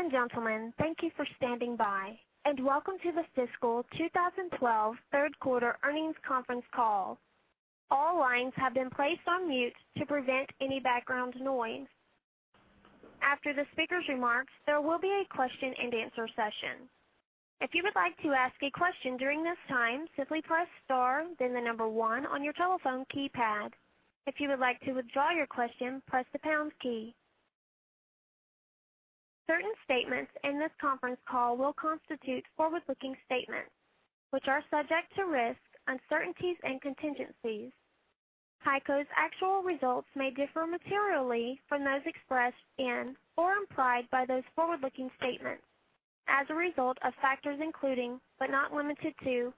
Ladies and gentlemen, thank you for standing by, and welcome to the fiscal 2012 third quarter earnings conference call. All lines have been placed on mute to prevent any background noise. After the speaker's remarks, there will be a question and answer session. If you would like to ask a question during this time, simply press star then the number 1 on your telephone keypad. If you would like to withdraw your question, press the pound key. Certain statements in this conference call will constitute forward-looking statements, which are subject to risks, uncertainties, and contingencies. HEICO's actual results may differ materially from those expressed in or implied by those forward-looking statements as a result of factors including, but not limited to,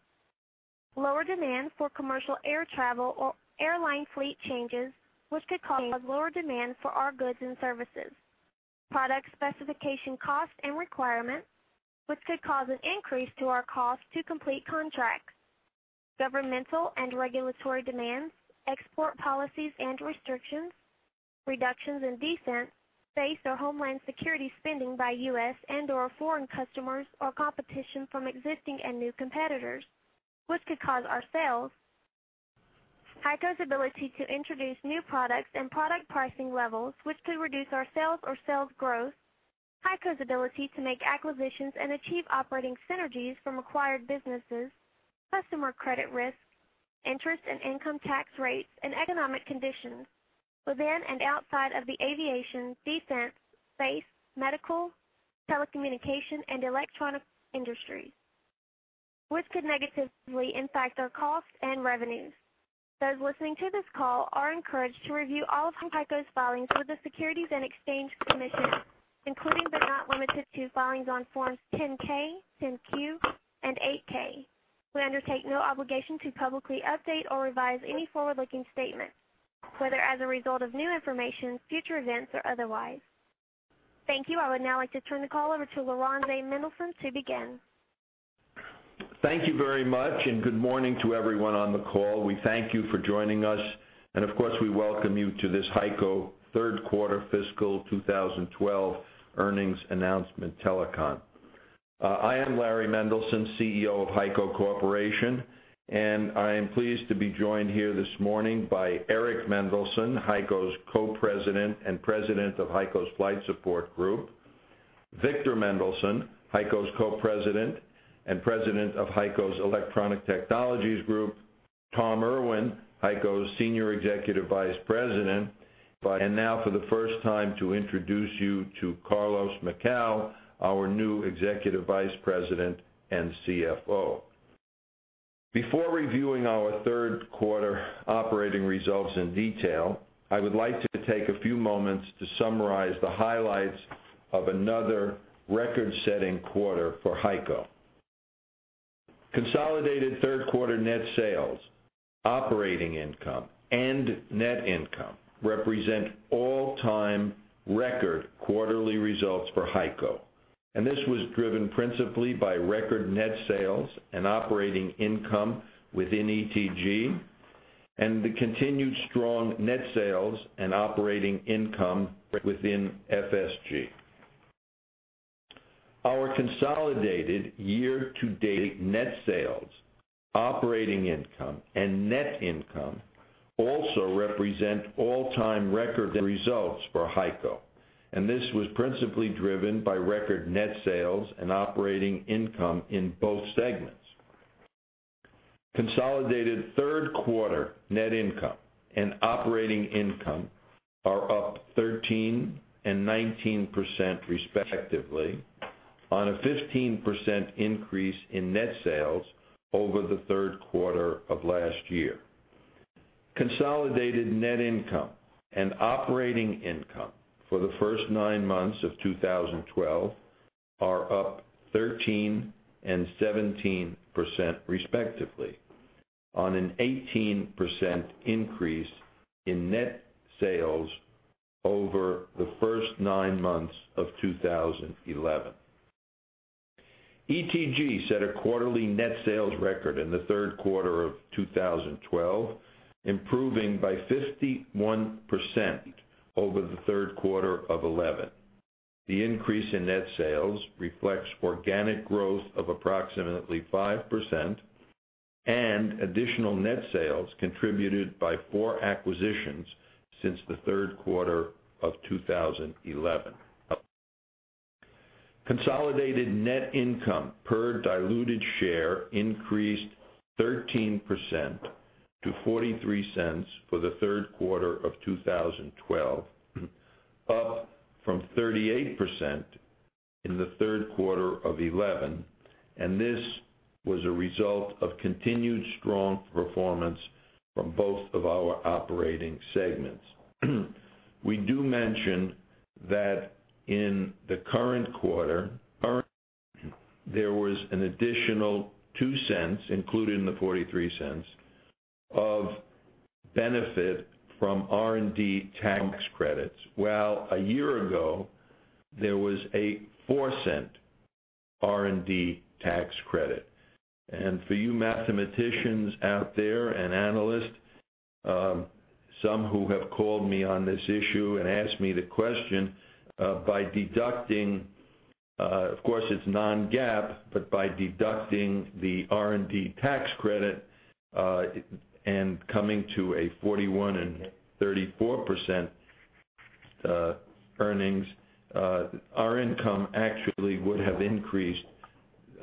lower demand for commercial air travel or airline fleet changes, which could cause lower demand for our goods and services. Product specification costs and requirements, which could cause an increase to our cost to complete contracts. Governmental and regulatory demands, export policies and restrictions, reductions in defense, space, or homeland security spending by U.S. and/or foreign customers, or competition from existing and new competitors, which could cause our sales. HEICO's ability to introduce new products and product pricing levels, which could reduce our sales or sales growth. HEICO's ability to make acquisitions and achieve operating synergies from acquired businesses, customer credit risk, interest and income tax rates, and economic conditions within and outside of the aviation, defense, space, medical, telecommunication, and electronic industries, which could negatively impact our costs and revenues. Those listening to this call are encouraged to review all of HEICO's filings with the Securities and Exchange Commission, including but not limited to filings on forms 10-K, 10-Q, and 8-K. We undertake no obligation to publicly update or revise any forward-looking statements, whether as a result of new information, future events, or otherwise. Thank you. I would now like to turn the call over to Laurans Mendelson to begin. Thank you very much, good morning to everyone on the call. We thank you for joining us, and of course, we welcome you to this HEICO third quarter fiscal 2012 earnings announcement telecon. I am Larry Mendelson, CEO of HEICO Corporation, and I am pleased to be joined here this morning by Eric Mendelson, HEICO's Co-President and President of HEICO's Flight Support Group, Victor Mendelson, HEICO's Co-President and President of HEICO's Electronic Technologies Group, Tom Irwin, HEICO's Senior Executive Vice President. Now for the first time to introduce you to Carlos Macau, our new Executive Vice President and CFO. Before reviewing our third quarter operating results in detail, I would like to take a few moments to summarize the highlights of another record-setting quarter for HEICO. Consolidated third quarter net sales, operating income, and net income represent all-time record quarterly results for HEICO. This was driven principally by record net sales and operating income within ETG and the continued strong net sales and operating income within FSG. Our consolidated year-to-date net sales, operating income, and net income also represent all-time record results for HEICO. This was principally driven by record net sales and operating income in both segments. Consolidated third quarter net income and operating income are up 13% and 19% respectively, on a 15% increase in net sales over the third quarter of last year. Consolidated net income and operating income for the first nine months of 2012 are up 13% and 17% respectively on an 18% increase in net sales over the first nine months of 2011. ETG set a quarterly net sales record in the third quarter of 2012, improving by 51% over the third quarter of 2011. The increase in net sales reflects organic growth of approximately 5% and additional net sales contributed by four acquisitions since the third quarter of 2011. Consolidated net income per diluted share increased 13% to $0.43 for the third quarter of 2012, up from $0.38 in the third quarter of 2011. This was a result of continued strong performance from both of our operating segments. We do mention that in the current quarter, there was an additional $0.02 included in the $0.43 of benefit from R&D tax credits. Well, a year ago, there was a $0.04 R&D tax credit. For you mathematicians out there and analysts, some who have called me on this issue and asked me the question, by deducting, of course it's non-GAAP, but by deducting the R&D tax credit, and coming to a $0.41 and $0.34 earnings. Our income actually would have increased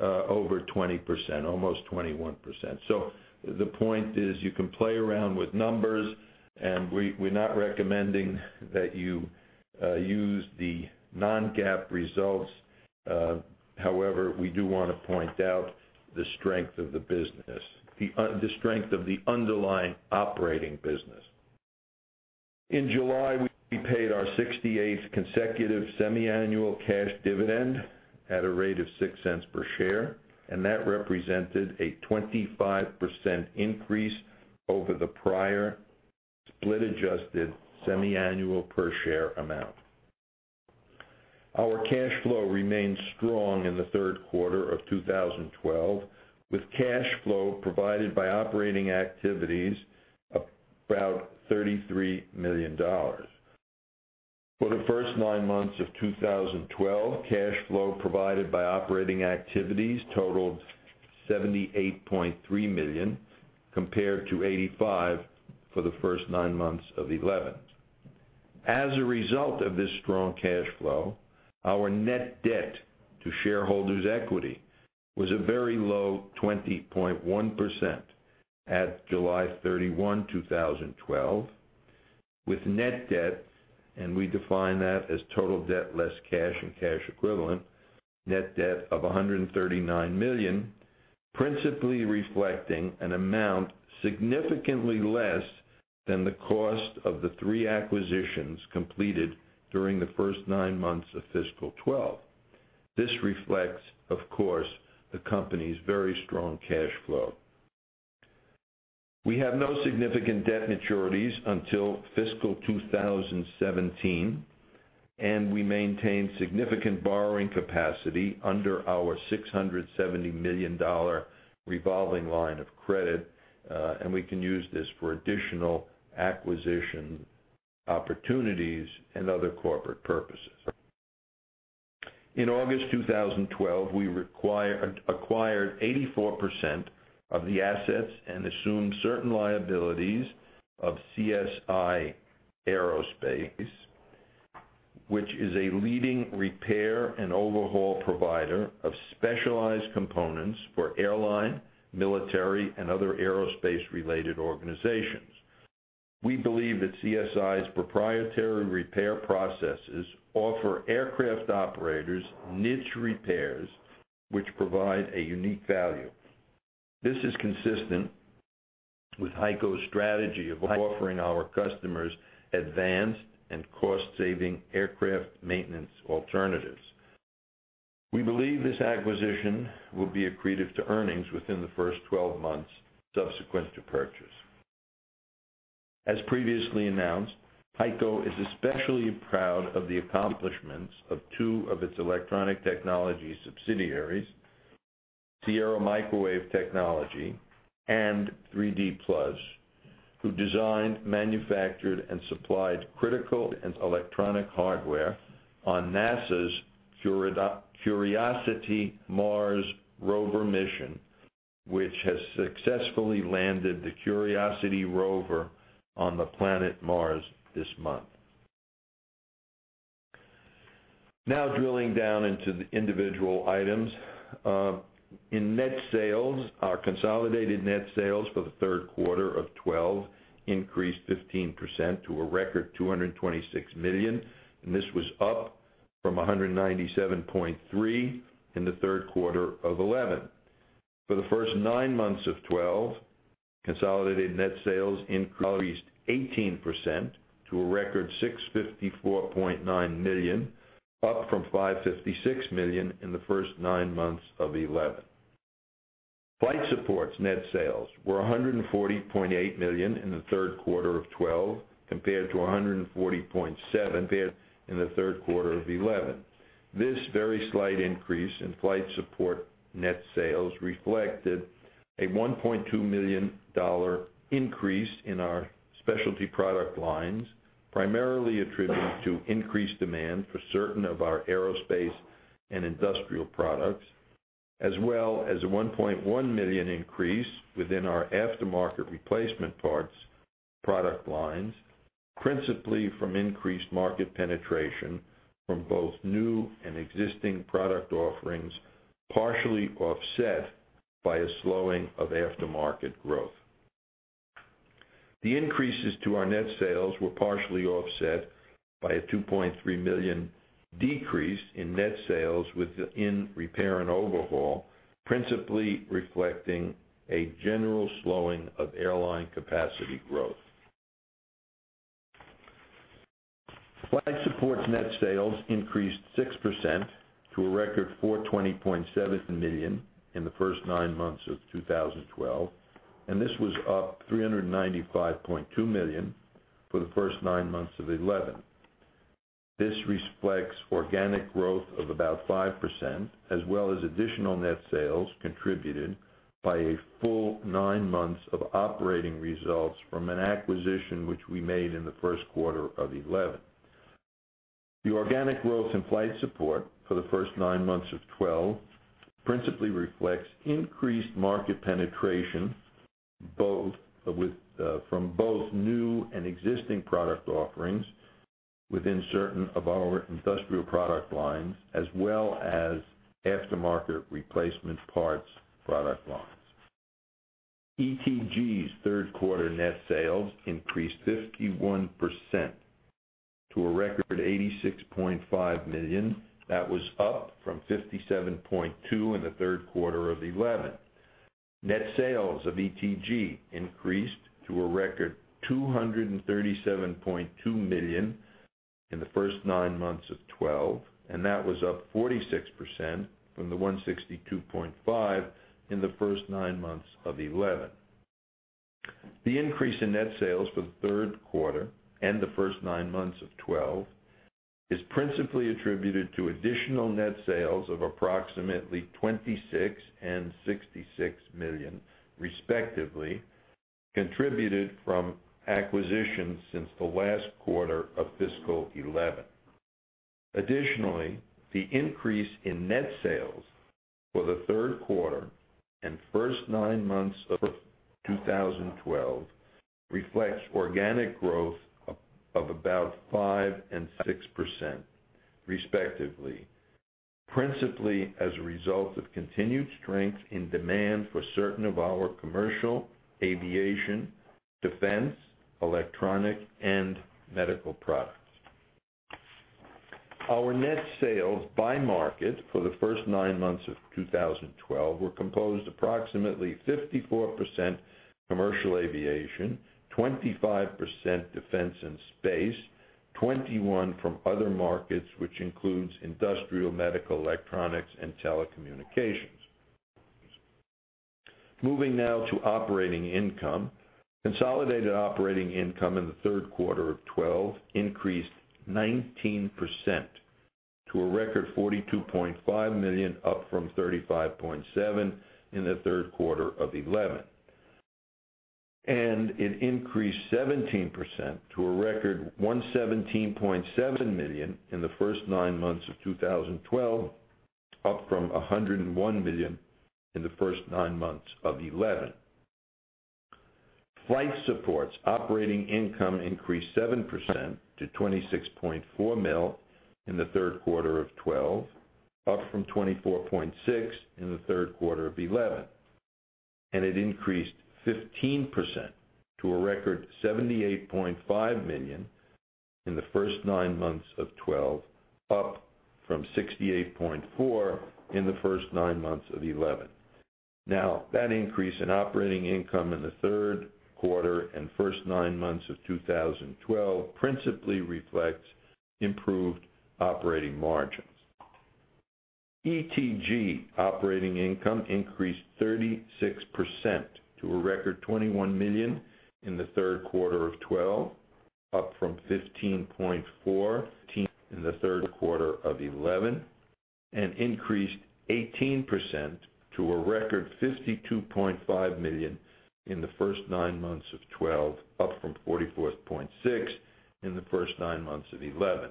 over 20%, almost 21%. The point is, you can play around with numbers. We're not recommending that you use the non-GAAP results. However, we do want to point out the strength of the business, the strength of the underlying operating business. In July, we paid our 68th consecutive semi-annual cash dividend at a rate of $0.06 per share. That represented a 25% increase over the prior split-adjusted semi-annual per share amount. Our cash flow remained strong in the third quarter of 2012, with cash flow provided by operating activities about $33 million. For the first nine months of 2012, cash flow provided by operating activities totaled $78.3 million, compared to $85 million for the first nine months of 2011. As a result of this strong cash flow, our net debt to shareholders' equity was a very low 20.1% at July 31, 2012. With net debt, we define that as total debt less cash and cash equivalent, net debt of $139 million, principally reflecting an amount significantly less than the cost of the three acquisitions completed during the first nine months of fiscal 2012. This reflects, of course, the company's very strong cash flow. We have no significant debt maturities until fiscal 2017. We maintain significant borrowing capacity under our $670 million revolving line of credit. We can use this for additional acquisition opportunities and other corporate purposes. In August 2012, we acquired 84% of the assets and assumed certain liabilities of CSI Aerospace, which is a leading repair and overhaul provider of specialized components for airline, military, and other aerospace-related organizations. We believe that CSI's proprietary repair processes offer aircraft operators niche repairs, which provide a unique value. This is consistent with HEICO's strategy of offering our customers advanced and cost-saving aircraft maintenance alternatives. We believe this acquisition will be accretive to earnings within the first 12 months subsequent to purchase. As previously announced, HEICO is especially proud of the accomplishments of two of its Electronic Technologies Group subsidiaries, Sierra Microwave Technology and 3D Plus, who designed, manufactured, and supplied critical and electronic hardware on NASA's Curiosity Mars Rover mission, which has successfully landed the Curiosity rover on the planet Mars this month. Now drilling down into the individual items. In net sales, our consolidated net sales for the third quarter of 2012 increased 15% to a record $226 million, and this was up from $197.3 million in the third quarter of 2011. For the first nine months of 2012, consolidated net sales increased 18% to a record $654.9 million, up from $556 million in the first nine months of 2011. Flight Support's net sales were $140.8 million in the third quarter of 2012, compared to $140.7 million in the third quarter of 2011. This very slight increase in Flight Support net sales reflected a $1.2 million increase in our specialty product lines, primarily attributed to increased demand for certain of our aerospace and industrial products, as well as a $1.1 million increase within our aftermarket replacement parts product lines, principally from increased market penetration from both new and existing product offerings, partially offset by a slowing of aftermarket growth. The increases to our net sales were partially offset by a $2.3 million decrease in net sales within repair and overhaul, principally reflecting a general slowing of airline capacity growth. Flight Support's net sales increased 6% to a record $420.7 million in the first nine months of 2012, and this was up $395.2 million for the first nine months of 2011. This reflects organic growth of about 5%, as well as additional net sales contributed by a full nine months of operating results from an acquisition which we made in the first quarter of 2011. The organic growth in Flight Support for the first nine months of 2012 principally reflects increased market penetration from both new and existing product offerings within certain of our industrial product lines, as well as aftermarket replacement parts product lines. ETG's third quarter net sales increased 51% to a record $86.5 million. That was up from $57.2 million in the third quarter of 2011. Net sales of ETG increased to a record $237.2 million in the first nine months of 2012, and that was up 46% from $162.5 million in the first nine months of 2011. The increase in net sales for the third quarter and the first nine months of 2012 is principally attributed to additional net sales of approximately $26 million and $66 million, respectively, contributed from acquisitions since the last quarter of fiscal 2011. Additionally, the increase in net sales for the third quarter and first nine months of 2012 reflects organic growth of about 5% and 6%, respectively, principally as a result of continued strength in demand for certain of our commercial, aviation, defense, electronic, and medical products. Our net sales by market for the first nine months of 2012 were composed approximately 54% commercial aviation, 25% defense and space, 21% from other markets, which includes industrial, medical, electronics, and telecommunications. Moving now to operating income. Consolidated operating income in the third quarter of 2012 increased 19% to a record $42.5 million, up from $35.7 million in the third quarter of 2011. It increased 17% to a record $117.7 million in the first nine months of 2012, up from $101 million in the first nine months of 2011. Flight Support's operating income increased 7% to $26.4 million in the third quarter of 2012, up from $24.6 million in the third quarter of 2011. It increased 15% to a record $78.5 million in the first nine months of 2012, up from $68.4 million in the first nine months of 2011. That increase in operating income in the third quarter and first nine months of 2012 principally reflects improved operating margins. ETG operating income increased 36% to a record $21 million in the third quarter of 2012, up from $15.4 million in the third quarter of 2011. It increased 18% to a record $52.5 million in the first nine months of 2012, up from $44.6 million in the first nine months of 2011.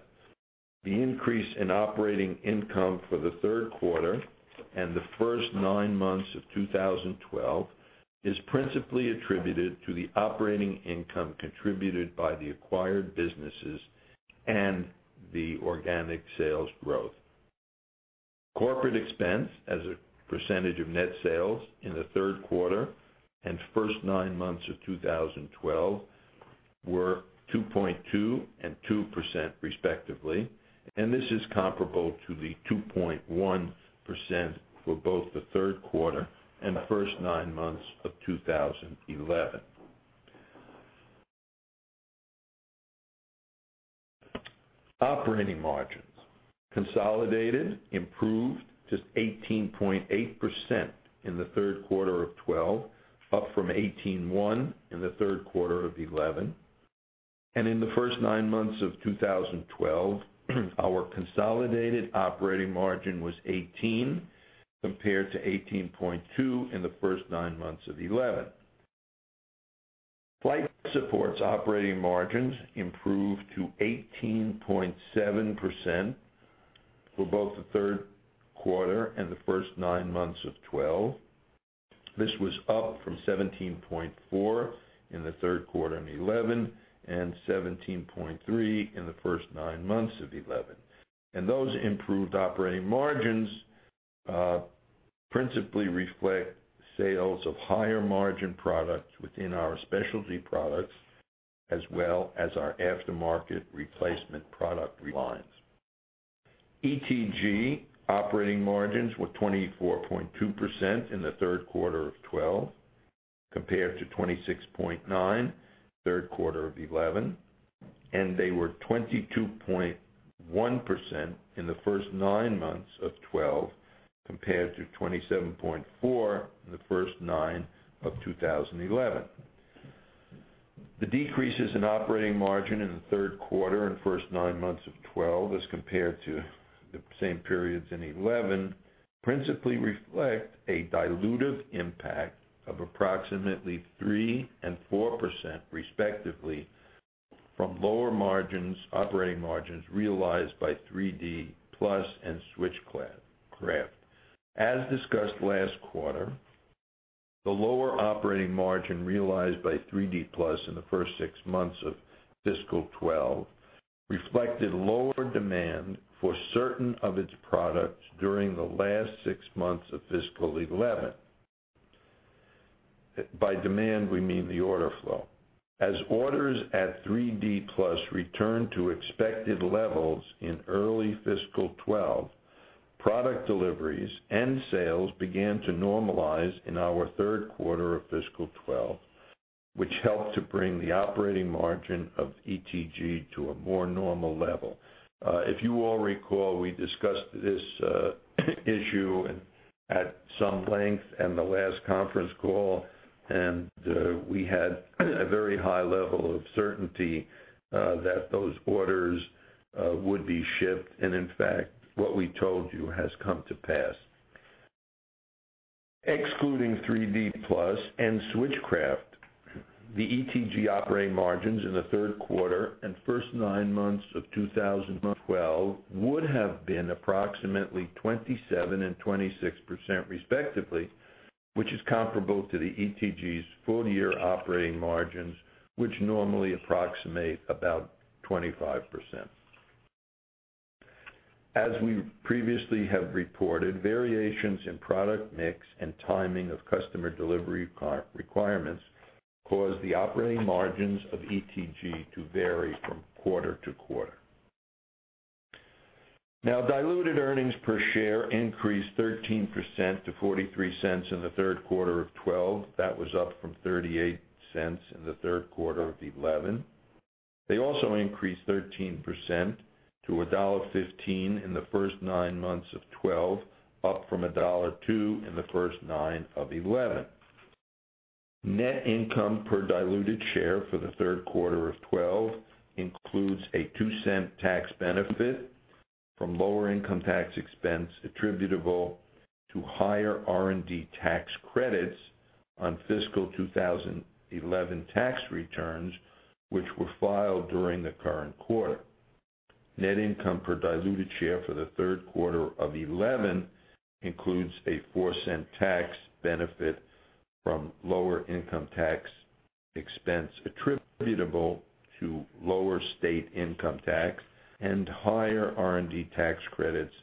The increase in operating income for the third quarter and the first nine months of 2012 is principally attributed to the operating income contributed by the acquired businesses and the organic sales growth. Corporate expense as a percentage of net sales in the third quarter and first nine months of 2012 were 2.2% and 2%, respectively, and this is comparable to the 2.1% for both the third quarter and first nine months of 2011. Operating margins consolidated improved to 18.8% in the third quarter of 2012, up from 18.1% in the third quarter of 2011. In the first nine months of 2012, our consolidated operating margin was 18%, compared to 18.2% in the first nine months of 2011. Flight Support's operating margins improved to 18.7% for both the third quarter and the first nine months of 2012. This was up from 17.4% in the third quarter of 2011, and 17.3% in the first nine months of 2011. Those improved operating margins principally reflect sales of higher margin products within our specialty products, as well as our aftermarket replacement product lines. ETG operating margins were 24.2% in the third quarter of 2012 compared to 26.9% in the third quarter of 2011, and they were 22.1% in the first nine months of 2012 compared to 27.4% in the first nine months of 2011. The decreases in operating margin in the third quarter and first nine months of 2012 as compared to the same periods in 2011 principally reflect a dilutive impact of approximately 3% and 4% respectively from lower operating margins realized by 3D Plus and Switchcraft. As discussed last quarter, the lower operating margin realized by 3D Plus in the first six months of fiscal 2012 reflected lower demand for certain of its products during the last six months of fiscal 2011. By demand, we mean the order flow. As orders at 3D Plus returned to expected levels in early fiscal 2012, product deliveries and sales began to normalize in our third quarter of fiscal 2012, which helped to bring the operating margin of ETG to a more normal level. If you all recall, we discussed this issue at some length in the last conference call. We had a very high level of certainty that those orders would be shipped, and in fact, what we told you has come to pass. Excluding 3D Plus and Switchcraft, the ETG operating margins in the third quarter and first nine months of 2012 would have been approximately 27% and 26%, respectively, which is comparable to ETG's full-year operating margins, which normally approximate about 25%. As we previously have reported, variations in product mix and timing of customer delivery requirements cause the operating margins of ETG to vary from quarter to quarter. Diluted earnings per share increased 13% to $0.43 in the third quarter of 2012. That was up from $0.38 in the third quarter of 2011. They also increased 13% to $1.15 in the first nine months of 2012, up from $1.02 in the first nine of 2011. Net income per diluted share for the third quarter of 2012 includes a $0.02 tax benefit from lower income tax expense attributable to higher R&D tax credits on fiscal 2011 tax returns, which were filed during the current quarter. Net income per diluted share for the third quarter of 2011 includes a $0.04 tax benefit from lower income tax expense attributable to lower state income tax and higher R&D tax credits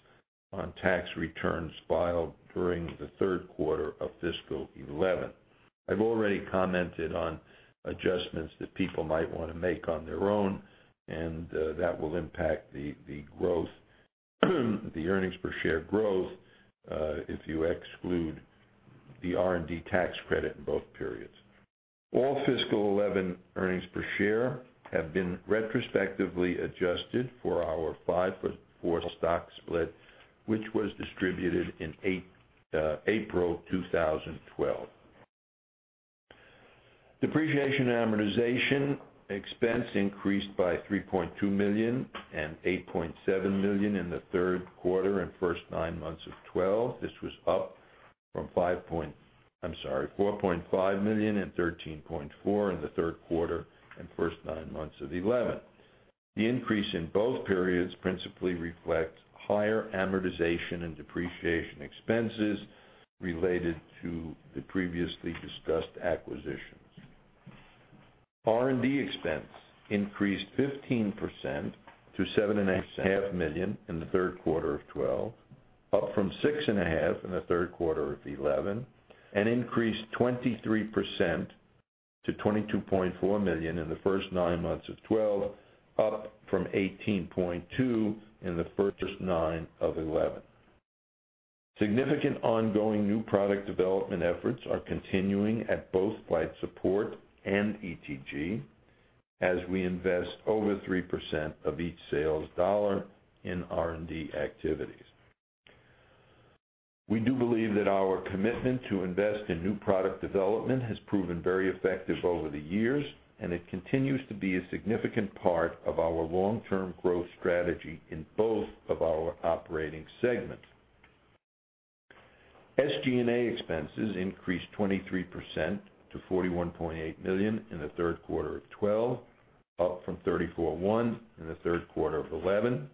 on tax returns filed during the third quarter of fiscal 2011. I've already commented on adjustments that people might want to make on their own, and that will impact the earnings per share growth if you exclude the R&D tax credit in both periods. All fiscal 2011 earnings per share have been retrospectively adjusted for our five-for-four stock split, which was distributed in April 2012. Depreciation and amortization expense increased by $3.2 million and $8.7 million in the third quarter and first nine months of 2012. This was up from $4.5 million and $13.4 million in the third quarter and first nine months of 2011. The increase in both periods principally reflects higher amortization and depreciation expenses related to the previously discussed acquisitions. R&D expense increased 15% to $7.5 million in the third quarter of 2012, up from $6.5 million in the third quarter of 2011, and increased 23% to $22.4 million in the first nine months of 2012, up from $18.2 million in the first nine of 2011. Significant ongoing new product development efforts are continuing at both Flight Support and ETG as we invest over 3% of each sales dollar in R&D activities. We do believe that our commitment to invest in new product development has proven very effective over the years, and it continues to be a significant part of our long-term growth strategy in both of our operating segments. SG&A expenses increased 23% to $41.8 million in the third quarter of 2012, up from $34.1 million in the third quarter of 2011,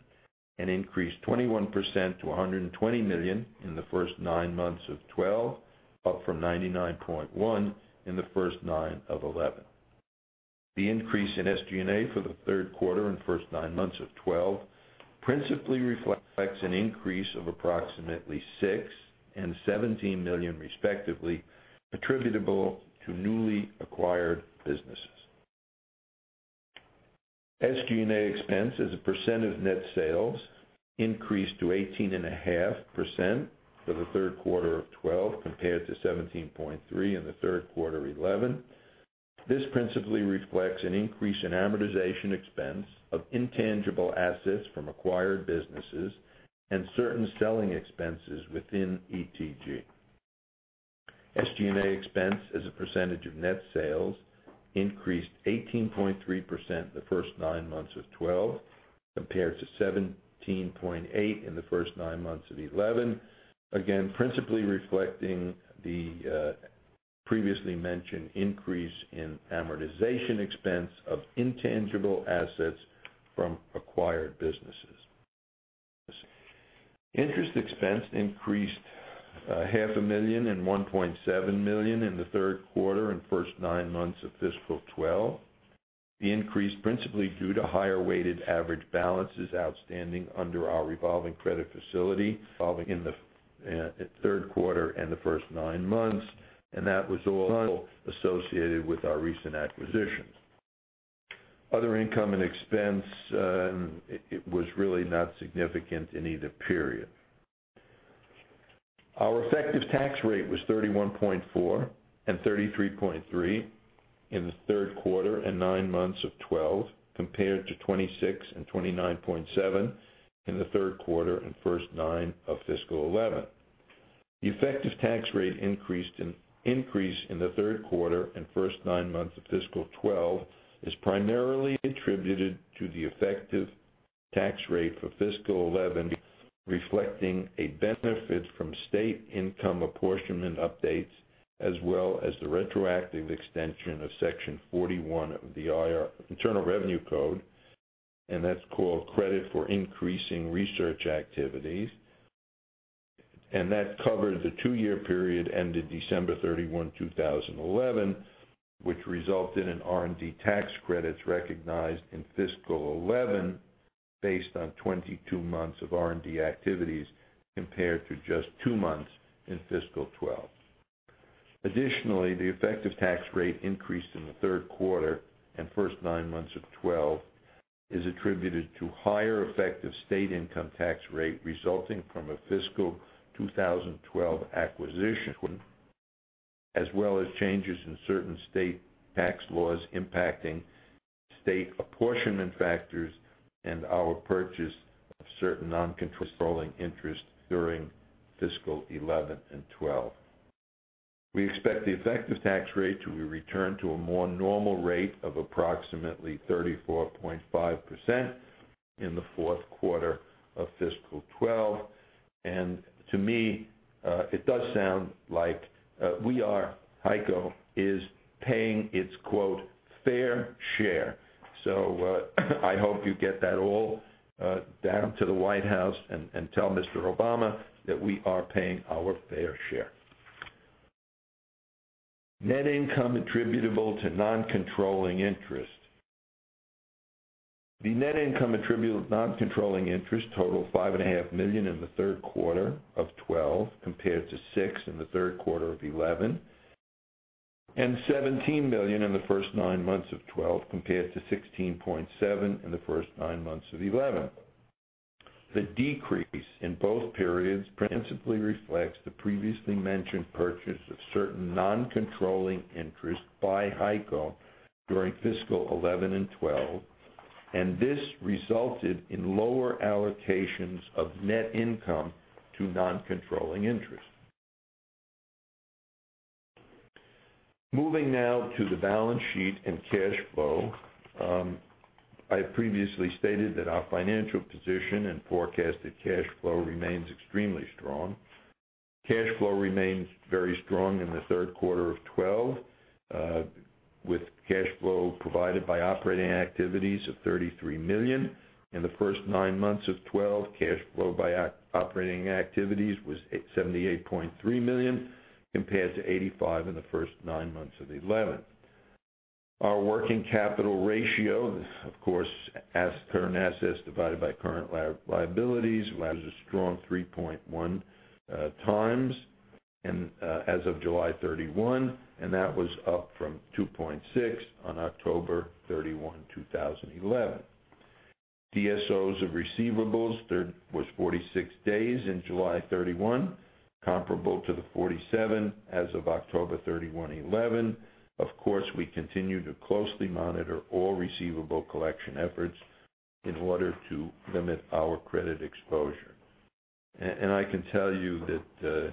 and increased 21% to $120 million in the first nine months of 2012, up from $99.1 million in the first nine of 2011. The increase in SG&A for the third quarter and first nine months of 2012 principally reflects an increase of approximately $6 million and $17 million respectively attributable to newly acquired businesses. SG&A expense as a percent of net sales increased to 18.5% for the third quarter of 2012 compared to 17.3% in the third quarter of 2011. This principally reflects an increase in amortization expense of intangible assets from acquired businesses and certain selling expenses within ETG. SG&A expense as a percentage of net sales increased 18.3% in the first nine months of 2012 compared to 17.8% in the first nine months of 2011, again, principally reflecting the previously mentioned increase in amortization expense of intangible assets from acquired businesses. Interest expense increased half a million and $1.7 million in the third quarter and first nine months of fiscal 2012. The increase principally due to higher weighted average balances outstanding under our revolving credit facility in the third quarter and the first nine months. That was also associated with our recent acquisitions. Other income and expense, it was really not significant in either period. Our effective tax rate was 31.4% and 33.3% in the third quarter and nine months of 2012, compared to 26% and 29.7% in the third quarter and first nine of fiscal 2011. The effective tax rate increase in the third quarter and first nine months of fiscal 2012 is primarily attributed to the effective tax rate for fiscal 2011 reflecting a benefit from state income apportionment updates, as well as the retroactive extension of Section 41 of the Internal Revenue Code. That's called Credit for Increasing Research Activities. That covered the two-year period ended December 31, 2011, which resulted in R&D tax credits recognized in fiscal 2011 based on 22 months of R&D activities, compared to just two months in fiscal 2012. Additionally, the effective tax rate increase in the third quarter and first nine months of 2012 is attributed to higher effective state income tax rate resulting from a fiscal 2012 acquisition, as well as changes in certain state tax laws impacting state apportionment factors and our purchase of certain non-controlling interests during fiscal 2011 and 2012. We expect the effective tax rate to be returned to a more normal rate of approximately 34.5% in the fourth quarter of fiscal 2012. To me, it does sound like HEICO is paying its "fair share". I hope you get that all down to the White House and tell Mr. Obama that we are paying our fair share. Net income attributable to non-controlling interest. The net income attributable to non-controlling interest totaled $5.5 million in the third quarter of 2012 compared to $6 million in the third quarter of 2011, and $17 million in the first nine months of 2012 compared to $16.7 million in the first nine months of 2011. The decrease in both periods principally reflects the previously mentioned purchase of certain non-controlling interest by HEICO during fiscal 2011 and 2012. This resulted in lower allocations of net income to non-controlling interest. Moving now to the balance sheet and cash flow. I previously stated that our financial position and forecasted cash flow remains extremely strong. Cash flow remains very strong in the third quarter of 2012, with cash flow provided by operating activities of $33 million. In the first nine months of 2012, cash flow by operating activities was $78.3 million, compared to $85 million in the first nine months of 2011. Our working capital ratio, of course, current assets divided by current liabilities, was a strong 3.1 times as of July 31. That was up from 2.6 on October 31, 2011. DSO of receivables was 46 days in July 31, comparable to the 47 as of October 31, 2011. Of course, we continue to closely monitor all receivable collection efforts in order to limit our credit exposure. I can tell you that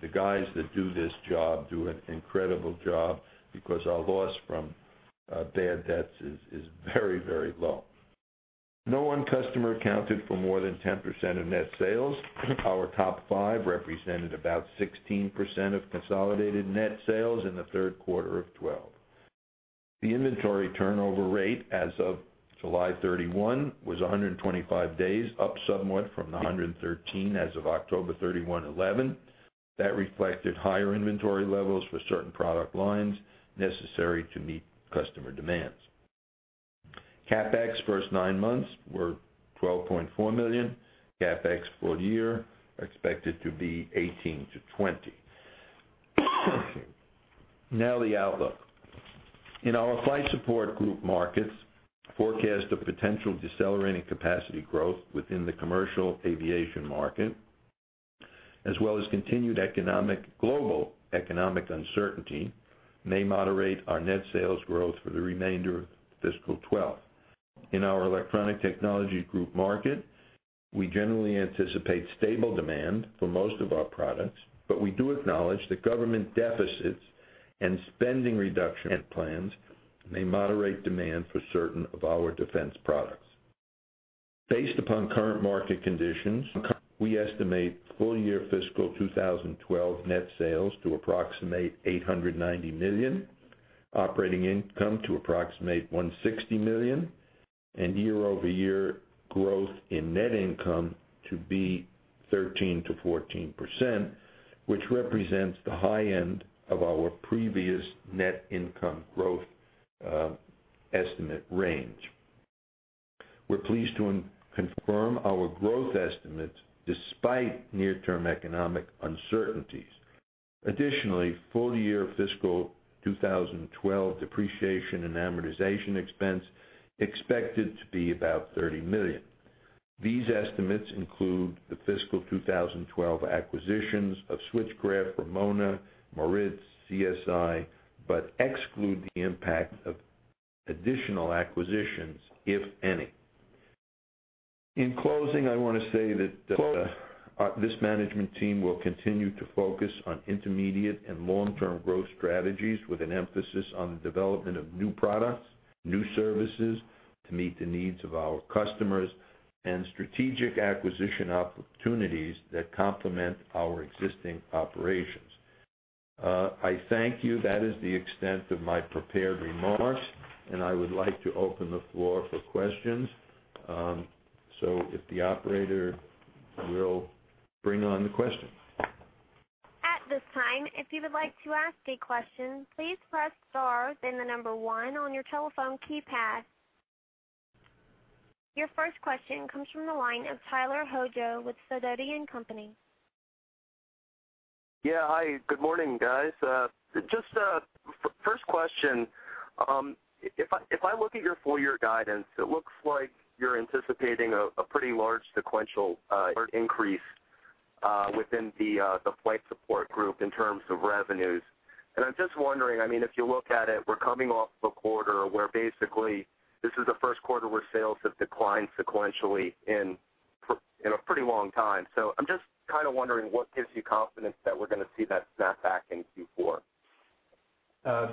the guys that do this job do an incredible job because our loss from bad debts is very low. No one customer accounted for more than 10% of net sales. Our top five represented about 16% of consolidated net sales in the third quarter of 2012. The inventory turnover rate as of July 31 was 125 days, up somewhat from the 113 as of October 31, 2011. That reflected higher inventory levels for certain product lines necessary to meet customer demands. CapEx first nine months were $12.4 million. CapEx for the year are expected to be $18 million-$20 million. The outlook. In our Flight Support Group markets, forecast of potential decelerating capacity growth within the commercial aviation market, as well as continued global economic uncertainty, may moderate our net sales growth for the remainder of fiscal 2012. In our Electronic Technologies Group market, we generally anticipate stable demand for most of our products. We do acknowledge that government deficits and spending reduction plans may moderate demand for certain of our defense products. Based upon current market conditions, we estimate full-year fiscal 2012 net sales to approximate $890 million, operating income to approximate $160 million, and year-over-year growth in net income to be 13%-14%, which represents the high end of our previous net income growth estimate range. We are pleased to confirm our growth estimates despite near-term economic uncertainties. Full-year fiscal 2012 depreciation and amortization expense expected to be about $30 million. These estimates include the fiscal 2012 acquisitions of Switchcraft, Ramona, Moritz, CSI. They exclude the impact of additional acquisitions, if any. In closing, I want to say that this management team will continue to focus on intermediate and long-term growth strategies with an emphasis on the development of new products, new services to meet the needs of our customers, and strategic acquisition opportunities that complement our existing operations. I thank you. That is the extent of my prepared remarks. I would like to open the floor for questions. If the operator will bring on the questions. At this time, if you would like to ask a question, please press star, then the number 1 on your telephone keypad. Your first question comes from the line of Tyler Hojo with Sidoti & Company. Yeah. Hi, good morning, guys. First question, if I look at your full-year guidance, it looks like you're anticipating a pretty large sequential increase within the Flight Support Group in terms of revenues. I'm just wondering, if you look at it, we're coming off a quarter where basically this is the first quarter where sales have declined sequentially in a pretty long time. I'm just kind of wondering what gives you confidence that we're going to see that snap back in Q4?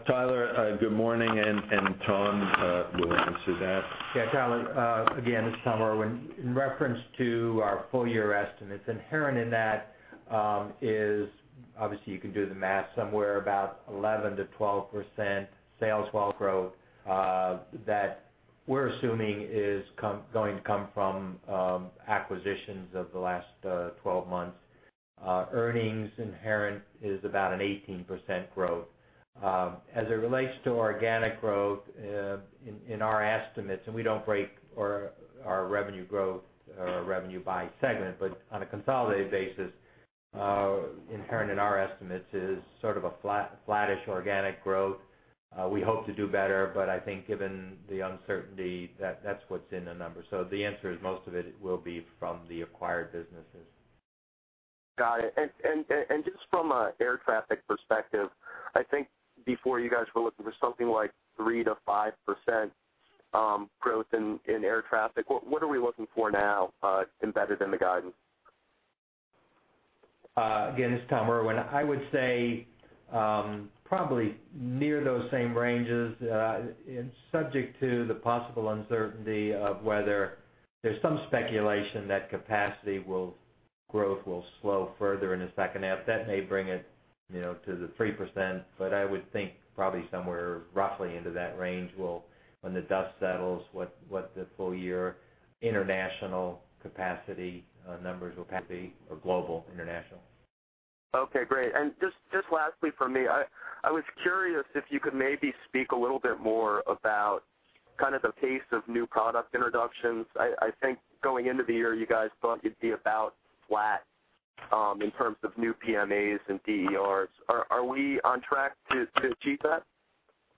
Tyler, good morning, and Tom will answer that. Yeah, Tyler, again, this is Tom Irwin. In reference to our full-year estimates, inherent in that is, obviously, you can do the math, somewhere about 11%-12% sales growth, that we're assuming is going to come from acquisitions of the last 12 months. Earnings inherent is about an 18% growth. As it relates to organic growth in our estimates, and we don't break our revenue growth or revenue by segment, but on a consolidated basis, inherent in our estimates is sort of a flattish organic growth. We hope to do better, but I think given the uncertainty, that's what's in the numbers. The answer is most of it will be from the acquired businesses. Got it. Just from an air traffic perspective, I think before you guys were looking for something like 3%-5% growth in air traffic. What are we looking for now embedded in the guidance? Again, this is Tom Irwin. I would say probably near those same ranges, subject to the possible uncertainty of whether there's some speculation that capacity growth will slow further in the second half. That may bring it to the 3%, but I would think probably somewhere roughly into that range will, when the dust settles, what the full-year international capacity numbers will be, or global international. Okay, great. Just lastly from me, I was curious if you could maybe speak a little bit more about kind of the pace of new product introductions. I think going into the year, you guys thought you'd be about flat in terms of new PMAs and DERs. Are we on track to achieve that?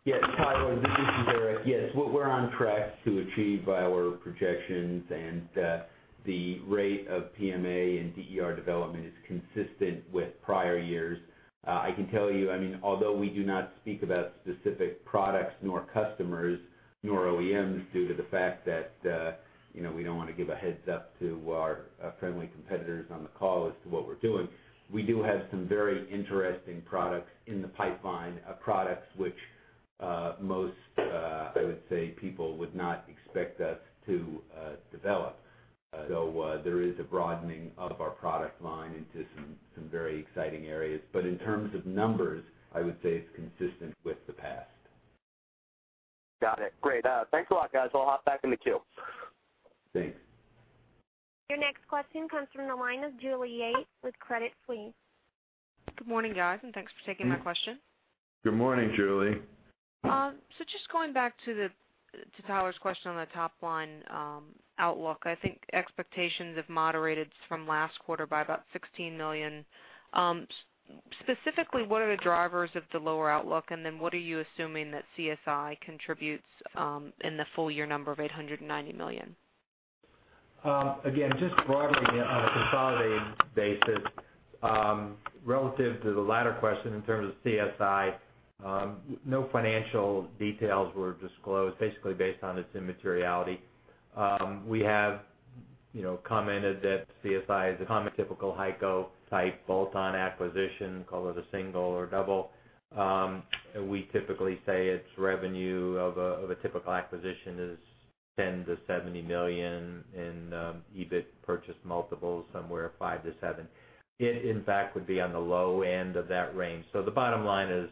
Yes, Tyler, this is Eric. Yes. We're on track to achieve our projections, the rate of PMA and DER development is consistent with prior years. I can tell you, although we do not speak about specific products nor customers, nor OEMs, due to the fact that we don't want to give a heads up to our friendly competitors on the call as to what we're doing, we do have some very interesting products in the pipeline of products which most, I would say, people would not expect us to develop. There is a broadening of our product line into some very exciting areas. In terms of numbers, I would say it's consistent with the past. Got it. Great. Thanks a lot, guys. I'll hop back in the queue. Thanks. Your next question comes from the line of Julie Yates with Credit Suisse. Good morning, guys, and thanks for taking my question. Good morning, Julie. Just going back to Tyler's question on the top-line outlook, I think expectations have moderated from last quarter by about $16 million. Specifically, what are the drivers of the lower outlook, and what are you assuming that CSI contributes in the full-year number of $890 million? Just broadly on a consolidated basis, relative to the latter question in terms of CSI, no financial details were disclosed, basically based on its immateriality. We have commented that CSI is a common typical HEICO type bolt-on acquisition, call it a single or double. We typically say its revenue of a typical acquisition is $10 million to $70 million in EBIT purchase multiples, somewhere 5 to 7. It, in fact, would be on the low end of that range. The bottom line is,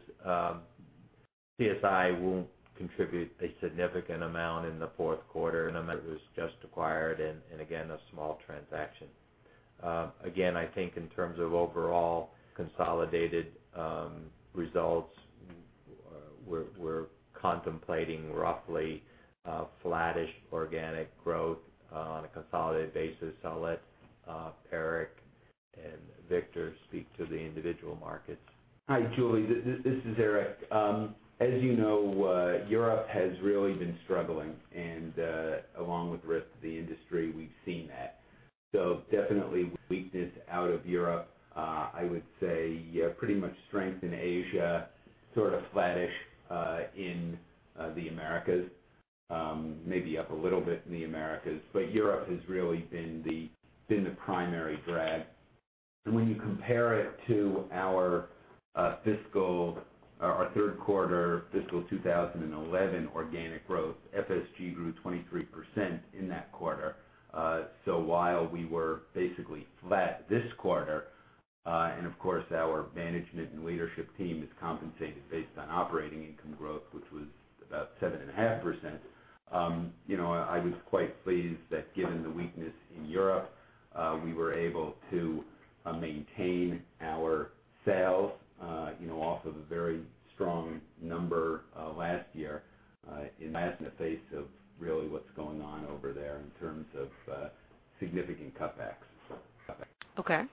CSI will not contribute a significant amount in the fourth quarter, and it was just acquired and a small transaction. I think in terms of overall consolidated results, we're contemplating roughly flattish organic growth on a consolidated basis. I'll let Eric and Victor speak to the individual markets. Hi, Julie, this is Eric. As you know, Europe has really been struggling and along with the rest of the industry, we've seen that. Definitely weakness out of Europe. I would say pretty much strength in Asia, sort of flattish in the Americas, maybe up a little bit in the Americas. Europe has really been the primary drag. When you compare it to our third quarter fiscal 2011 organic growth, FSG grew 23% in that quarter. While we were basically flat this quarter, and of course, our management and leadership team is compensated based on operating income growth, which was about 7.5%. I was quite pleased that given the weakness in Europe, we were able to maintain our sales off of a very strong number last year, in the face of really what's going on over there in terms of significant cutbacks. Okay.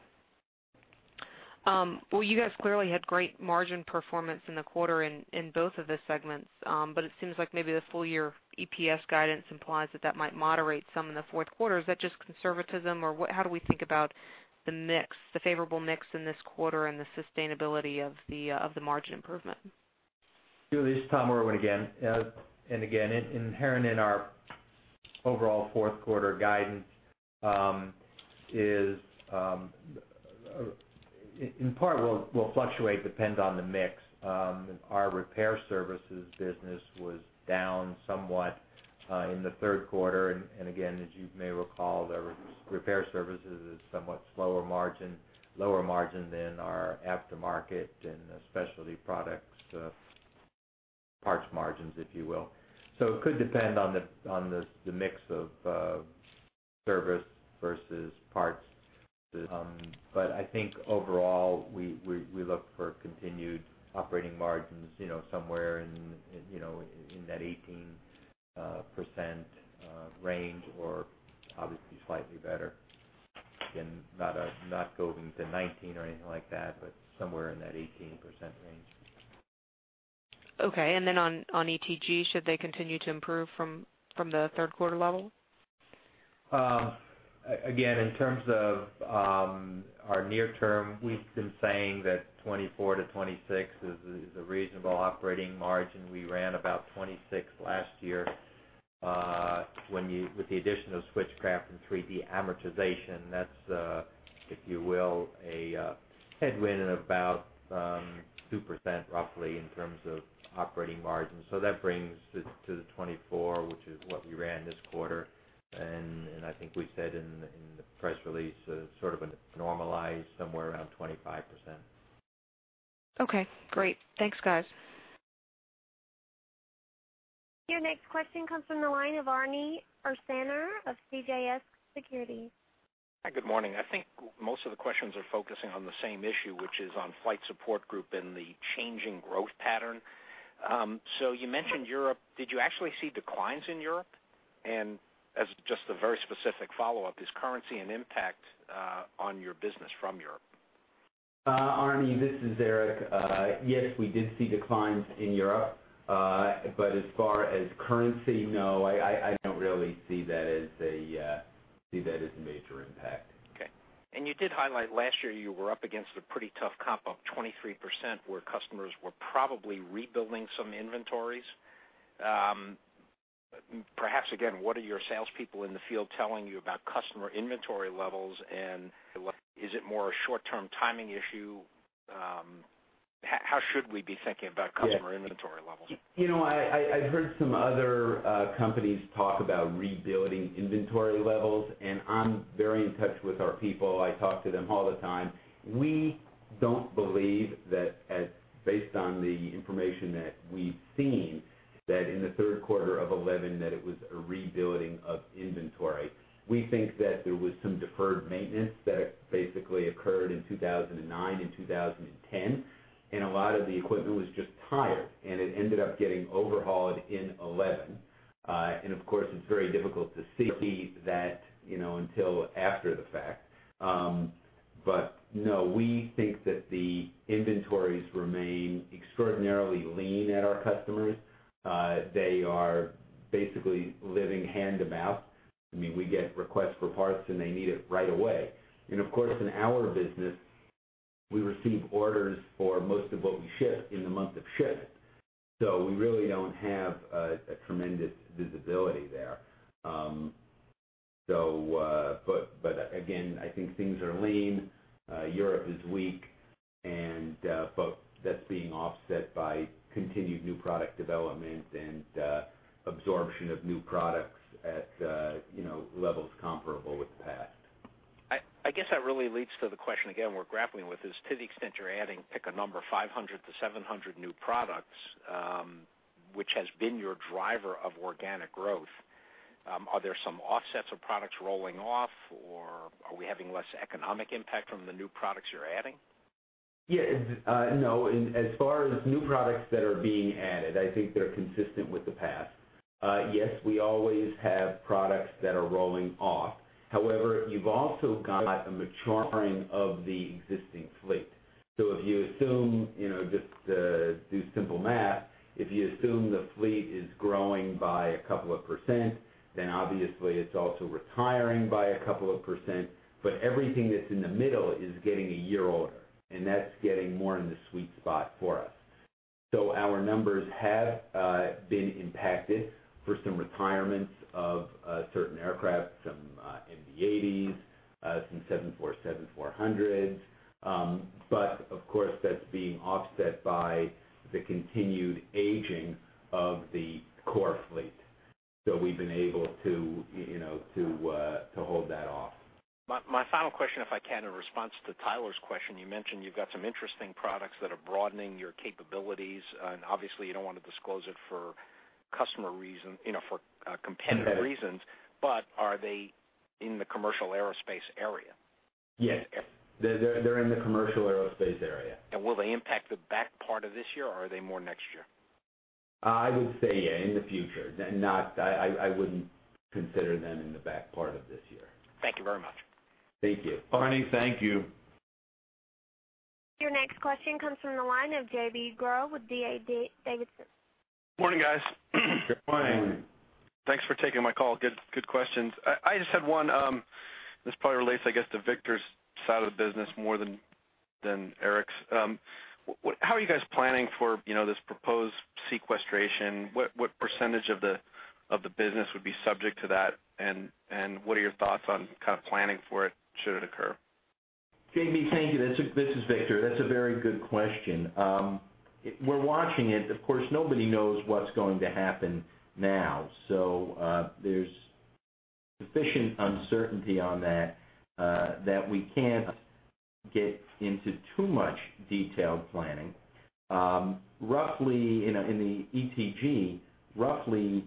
Well, you guys clearly had great margin performance in the quarter in both of the segments. It seems like maybe the full-year EPS guidance implies that that might moderate some in the fourth quarter. Is that just conservatism, or how do we think about the mix, the favorable mix in this quarter and the sustainability of the margin improvement? Julie, this is Tom Irwin again. Inherent in our overall fourth quarter guidance is, in part will fluctuate depend on the mix. Our repair services business was down somewhat in the third quarter and as you may recall, the repair services is somewhat slower margin, lower margin than our aftermarket and specialty products, parts margins, if you will. It could depend on the mix of service versus parts. I think overall, we look for continued operating margins somewhere in that 18% range or obviously slightly better. Not going to 19 or anything like that, but somewhere in that 18% range. Okay, on ETG, should they continue to improve from the third quarter level? In terms of our near term, we've been saying that 24%-26% is a reasonable operating margin. We ran about 26% last year. With the addition of Switchcraft and 3D Plus amortization, that's, if you will, a headwind of about 2% roughly in terms of operating margin. That brings it to the 24%, which is what we ran this quarter. I think we said in the press release as sort of a normalized somewhere around 25%. Okay, great. Thanks, guys. Your next question comes from the line of Arnold Ursaner of CJS Securities. Hi, good morning. I think most of the questions are focusing on the same issue, which is on Flight Support Group and the changing growth pattern. You mentioned Europe. Did you actually see declines in Europe? As just a very specific follow-up, is currency an impact on your business from Europe? Arnie, this is Eric. Yes, we did see declines in Europe. As far as currency, no, I don't really see that as a major impact. Okay. You did highlight last year you were up against a pretty tough comp of 23% where customers were probably rebuilding some inventories. Perhaps again, what are your salespeople in the field telling you about customer inventory levels and is it more a short-term timing issue? How should we be thinking about customer inventory levels? I've heard some other companies talk about rebuilding inventory levels. I'm very in touch with our people. I talk to them all the time. We don't believe that based on the information that we've seen, that in the third quarter of 2011, that it was a rebuilding of inventory. We think that there was some deferred maintenance that basically occurred in 2009 and 2010, and a lot of the equipment was just tired and it ended up getting overhauled in 2011. Of course, it's very difficult to see that until after the fact. No, we think that the inventories remain extraordinarily lean at our customers. They are basically living hand-to-mouth. We get requests for parts, and they need it right away. Of course, in our business, we receive orders for most of what we ship in the month of ship. We really don't have a tremendous visibility there. Again, I think things are lean. Europe is weak, that's being offset by continued new product development and absorption of new products at levels comparable with the past. I guess that really leads to the question, again, we're grappling with is to the extent you're adding, pick a number, 500 to 700 new products, which has been your driver of organic growth, are there some offsets of products rolling off, or are we having less economic impact from the new products you're adding? No, as far as new products that are being added, I think they're consistent with the past. Yes, we always have products that are rolling off. However, you've also got a maturing of the existing fleet. If you assume, just do simple math, if you assume the fleet is growing by a couple of percent, obviously it's also retiring by a couple of percent, everything that's in the middle is getting a year older, and that's getting more in the sweet spot for us. Our numbers have been impacted for some retirements of certain aircraft, some MD-80s, some 747-400s. Of course, that's being offset by the continued aging of the core fleet. We've been able to hold that off. My final question, if I can, in response to Tyler's question, you mentioned you've got some interesting products that are broadening your capabilities. Obviously, you don't want to disclose it for competitive reasons. Are they in the commercial aerospace area? Yes. They're in the commercial aerospace area. Will they impact the back part of this year, or are they more next year? I would say, yeah, in the future. I wouldn't consider them in the back part of this year. Thank you very much. Thank you. Arnie, thank you. Your next question comes from the line of J.B. Groh with D.A. Davidson. Morning, guys. Good morning. Good morning. Thanks for taking my call. Good questions. I just had one. This probably relates, I guess, to Victor's side of the business more than Eric's. How are you guys planning for this proposed sequestration? What percentage of the business would be subject to that, and what are your thoughts on kind of planning for it, should it occur? J.B., thank you. This is Victor. That's a very good question. We're watching it. Of course, nobody knows what's going to happen now. There's sufficient uncertainty on that we can't get into too much detailed planning. In the ETG, roughly,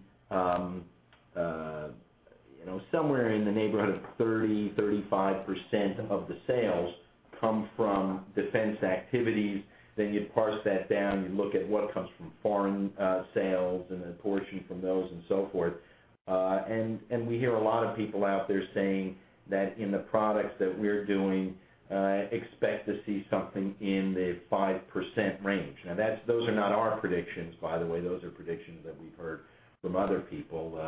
somewhere in the neighborhood of 30%-35% of the sales come from defense activities. You parse that down, you look at what comes from foreign sales and a portion from those and so forth. We hear a lot of people out there saying that in the products that we're doing, expect to see something in the 5% range. Those are not our predictions, by the way. Those are predictions that we've heard from other people,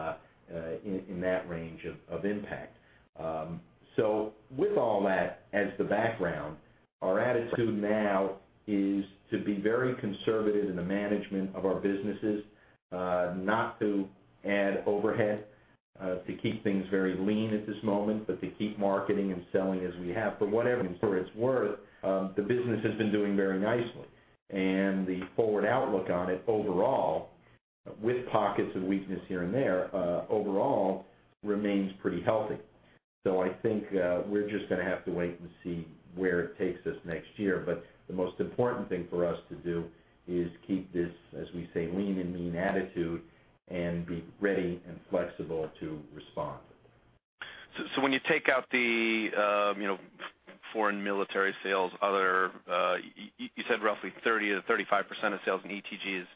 in that range of impact. With all that as the background, our attitude now is to be very conservative in the management of our businesses, not to add overhead, to keep things very lean at this moment, but to keep marketing and selling as we have. For whatever it's worth, the business has been doing very nicely, and the forward outlook on it overall, with pockets of weakness here and there, overall remains pretty healthy. I think we're just going to have to wait and see where it takes us next year. The most important thing for us to do is keep this, as we say, lean and mean attitude and be ready and flexible to respond. When you take out the foreign military sales, you said roughly 30%-35% of sales in ETG is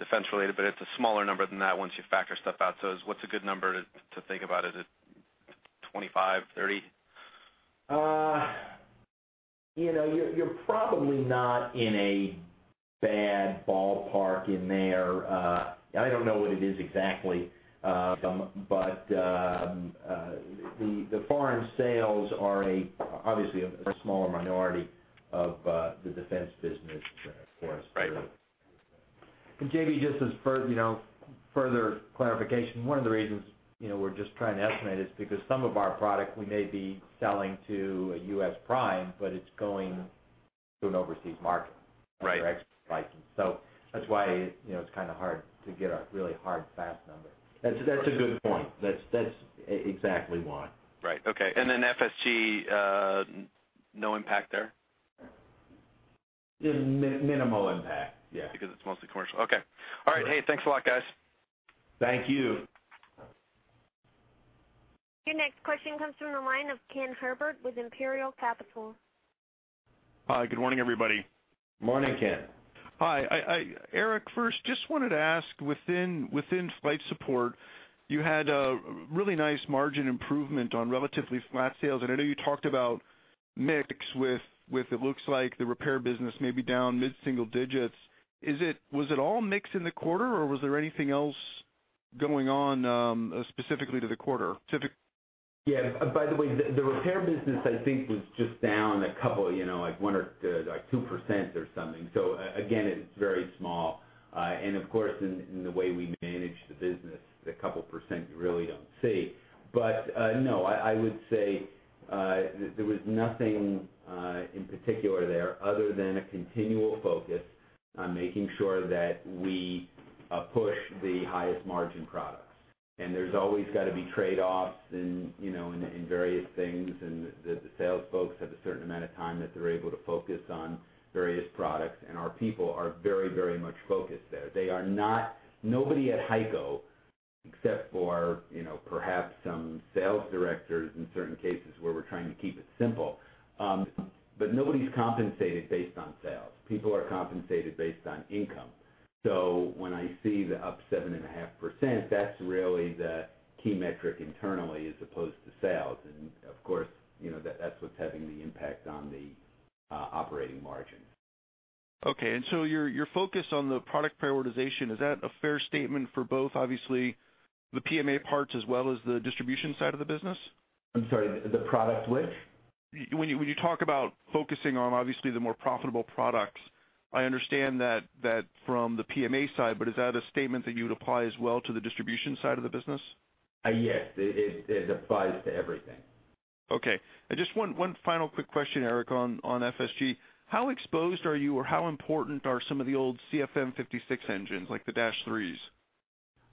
defense related, but it's a smaller number than that once you factor stuff out. What's a good number to think about it at, 25%, 30%? You're probably not in a bad ballpark in there. I don't know what it is exactly. The foreign sales are obviously a smaller minority of the defense business for us. Right. J.B., just as further clarification, one of the reasons we're just trying to estimate is because some of our product we may be selling to a U.S. prime, but it's going to an overseas market. Right. Under export license. That's why it's kind of hard to get a really hard, fast number. That's a good point. That's exactly why. Right. Okay. Then FSG, no impact there? Minimal impact. Yeah. Because it's mostly commercial. Okay. All right. Hey, thanks a lot, guys. Thank you. Your next question comes from the line of Ken Herbert with Imperial Capital. Hi, good morning, everybody. Morning, Ken. Hi. Eric, first, just wanted to ask within Flight Support, you had a really nice margin improvement on relatively flat sales. I know you talked about mix with, it looks like the repair business may be down mid-single digits. Was it all mix in the quarter, or was there anything else going on, specifically to the quarter? Yeah. By the way, the repair business, I think, was just down a couple, like 1% or 2% or something. Again, it's very small. Of course, in the way we manage the business, the couple percent you really don't see. No, I would say, there was nothing in particular there other than a continual focus on making sure that we push the highest margin products. There's always got to be trade-offs in various things, and the sales folks have a certain amount of time that they're able to focus on various products. Our people are very much focused there. Nobody at HEICO, except for perhaps some sales directors in certain cases where we're trying to keep it simple, but nobody's compensated based on sales. People are compensated based on income. When I see the up 7.5%, that's really the key metric internally as opposed to sales. Of course, that's what's having the impact on the operating margin. Okay. You're focused on the product prioritization. Is that a fair statement for both, obviously, the PMA parts as well as the distribution side of the business? I'm sorry, the product which? When you talk about focusing on, obviously, the more profitable products, I understand that from the PMA side, but is that a statement that you would apply as well to the distribution side of the business? Yes. It applies to everything. Okay. Just one final quick question, Eric, on FSG. How exposed are you or how important are some of the old CFM56 engines, like the dash threes?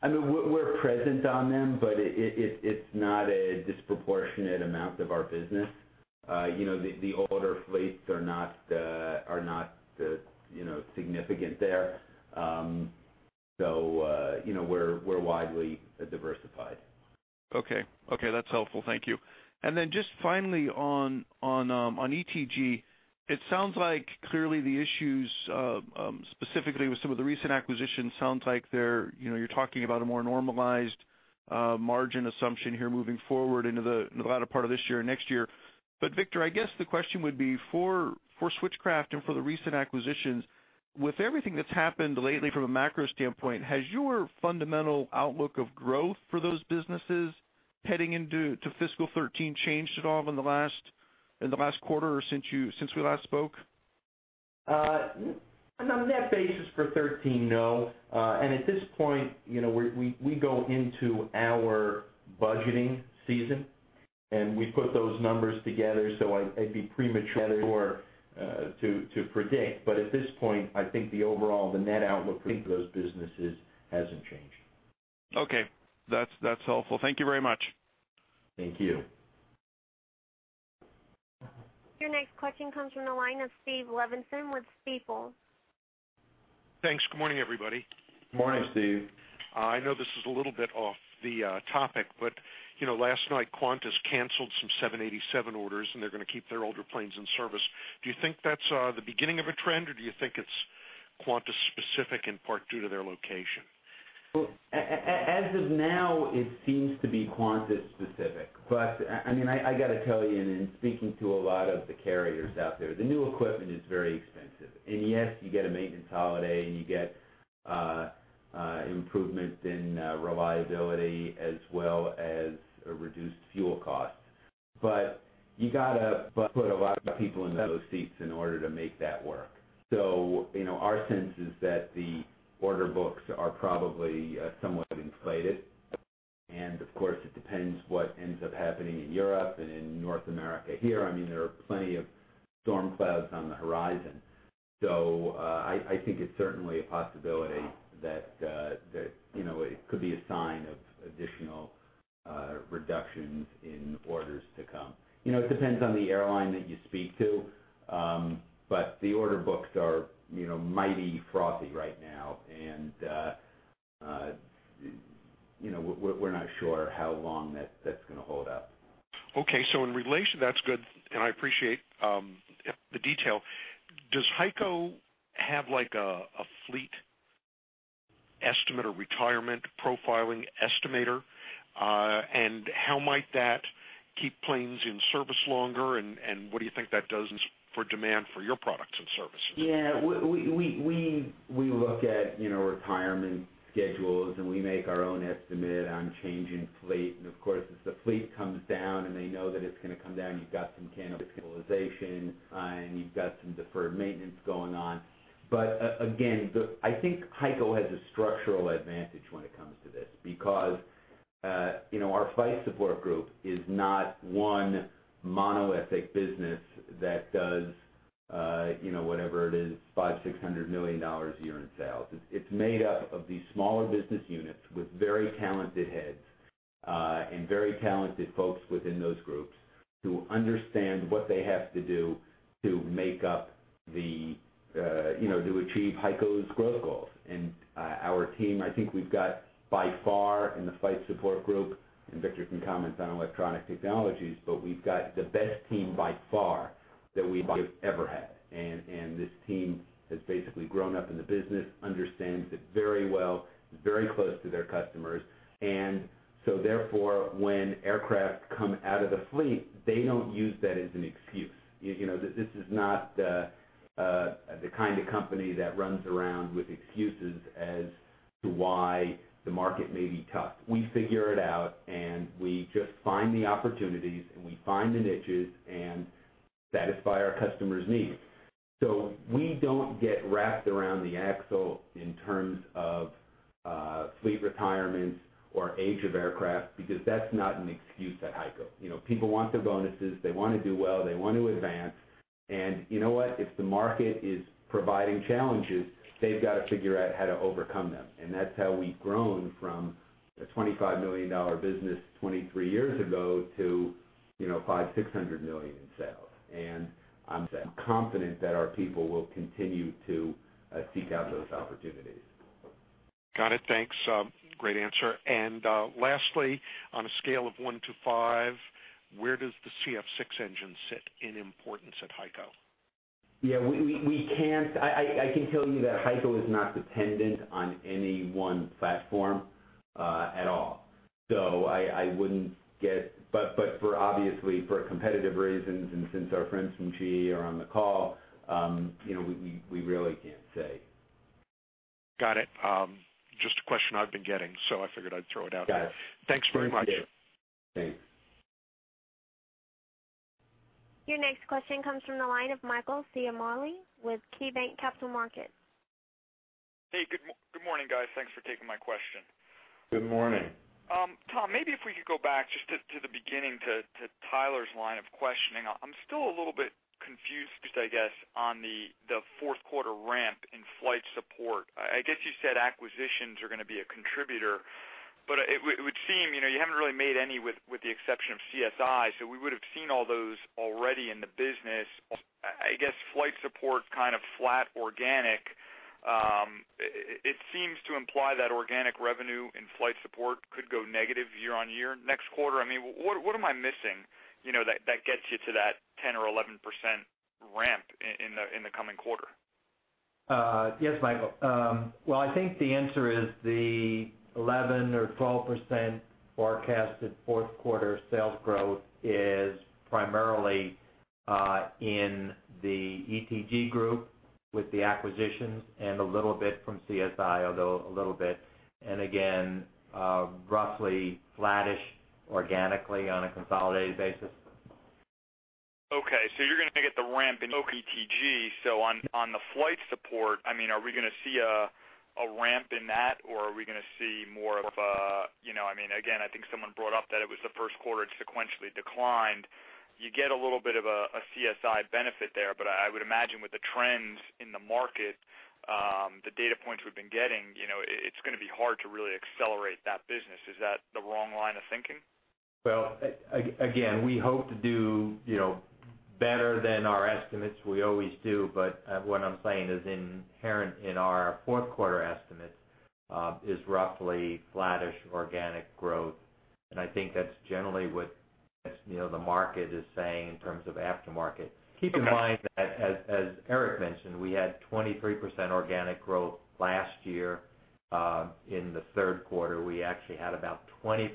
We're present on them, but it's not a disproportionate amount of our business. The older fleets are not significant there. We're widely diversified. Okay. That's helpful. Thank you. Just finally on ETG, it sounds like clearly the issues, specifically with some of the recent acquisitions, sounds like you're talking about a more normalized margin assumption here moving forward into the latter part of this year and next year. Victor, I guess the question would be for Switchcraft and for the recent acquisitions, with everything that's happened lately from a macro standpoint, has your fundamental outlook of growth for those businesses heading into fiscal 2013 changed at all in the last quarter or since we last spoke? On a net basis for 2013, no. At this point, we go into our budgeting season, and we put those numbers together, so I'd be premature to predict. At this point, I think the overall net outlook for those businesses hasn't changed. Okay. That's helpful. Thank you very much. Thank you. Your next question comes from the line of Stephen Levinson with Stifel. Thanks. Good morning, everybody. Morning, Steve. I know this is a little bit off the topic, last night, Qantas canceled some 787 orders, and they're going to keep their older planes in service. Do you think that's the beginning of a trend, or do you think it's Qantas specific, in part due to their location? As of now, it seems to be Qantas specific. I got to tell you, in speaking to a lot of the carriers out there, the new equipment is very expensive. Yes, you get a maintenance holiday, and you get improvements in reliability as well as reduced fuel costs. You got to put a lot of people into those seats in order to make that work. Our sense is that the order books are probably somewhat inflated. Of course, it depends what ends up happening in Europe and in North America here. There are plenty of storm clouds on the horizon. I think it's certainly a possibility that it could be a sign of additional reductions in orders to come. It depends on the airline that you speak to, but the order books are mighty frothy right now, and we're not sure how long that's going to hold up. Okay. That's good, and I appreciate the detail. Does HEICO have a fleet estimate or retirement profiling estimator? How might that keep planes in service longer, and what do you think that does for demand for your products and services? Yeah. We look at retirement schedules, and we make our own estimate on changing fleet. Of course, as the fleet comes down, and they know that it's going to come down, you've got some cannibalization, and you've got some deferred maintenance going on. Again, I think HEICO has a structural advantage when it comes to this, because our Flight Support Group is not one monolithic business that does, whatever it is, $500 million or $600 million a year in sales. It's made up of these smaller business units with very talented heads, and very talented folks within those groups who understand what they have to do to achieve HEICO's growth goals. Our team, I think we've got by far in the Flight Support Group, and Victor can comment on Electronic Technologies, but we've got the best team by far that we have ever had. This team has basically grown up in the business, understands it very well, is very close to their customers, and therefore, when aircraft come out of the fleet, they don't use that as an excuse. This is not the kind of company that runs around with excuses as to why the market may be tough. We figure it out, and we just find the opportunities, and we find the niches and satisfy our customers' needs. We don't get wrapped around the axle in terms of fleet retirements or age of aircraft, because that's not an excuse at HEICO. People want their bonuses, they want to do well, they want to advance, and you know what? If the market is providing challenges, they've got to figure out how to overcome them. That's how we've grown from a $25 million business 23 years ago to $500, $600 million in sales. I'm confident that our people will continue to seek out those opportunities. Got it. Thanks. Great answer. Lastly, on a scale of one to five, where does the CF6 engine sit in importance at HEICO? I can tell you that HEICO is not dependent on any one platform, at all. Obviously for competitive reasons, and since our friends from GE are on the call, we really can't say. Got it. Just a question I've been getting, so I figured I'd throw it out there. Got it. Thanks very much. Thanks. Your next question comes from the line of Michael Ciarmoli with KeyBanc Capital Markets. Hey, good morning, guys. Thanks for taking my question. Good morning. Tom, maybe if we could go back just to the beginning to Tyler's line of questioning. I'm still a little bit confused, I guess, on the fourth quarter ramp in Flight Support Group. I guess you said acquisitions are going to be a contributor, but it would seem you haven't really made any with the exception of CSI, so we would've seen all those already in the business. I guess Flight Support Group's kind of flat organic. It seems to imply that organic revenue in Flight Support Group could go negative year-over-year next quarter. What am I missing that gets you to that 10% or 11% ramp in the coming quarter? Michael. Well, I think the answer is the 11% or 12% forecasted fourth quarter sales growth is primarily in the ETG group with the acquisitions and a little bit from CSI, although a little bit. Again, roughly flattish organically on a consolidated basis. Okay. You're going to get the ramp in ETG. On the Flight Support Group, are we going to see a ramp in that, or are we going to see more of a Again, I think someone brought up that it was the first quarter it sequentially declined. You get a little bit of a CSI benefit there, but I would imagine with the trends in the market, the data points we've been getting, it's going to be hard to really accelerate that business. Is that the wrong line of thinking? Well, again, we hope to do better than our estimates. We always do. What I'm saying is inherent in our fourth quarter estimates is roughly flattish organic growth, and I think that's generally what the market is saying in terms of aftermarket. Okay. Keep in mind that as Eric mentioned, we had 23% organic growth last year. In the third quarter, we actually had about 20%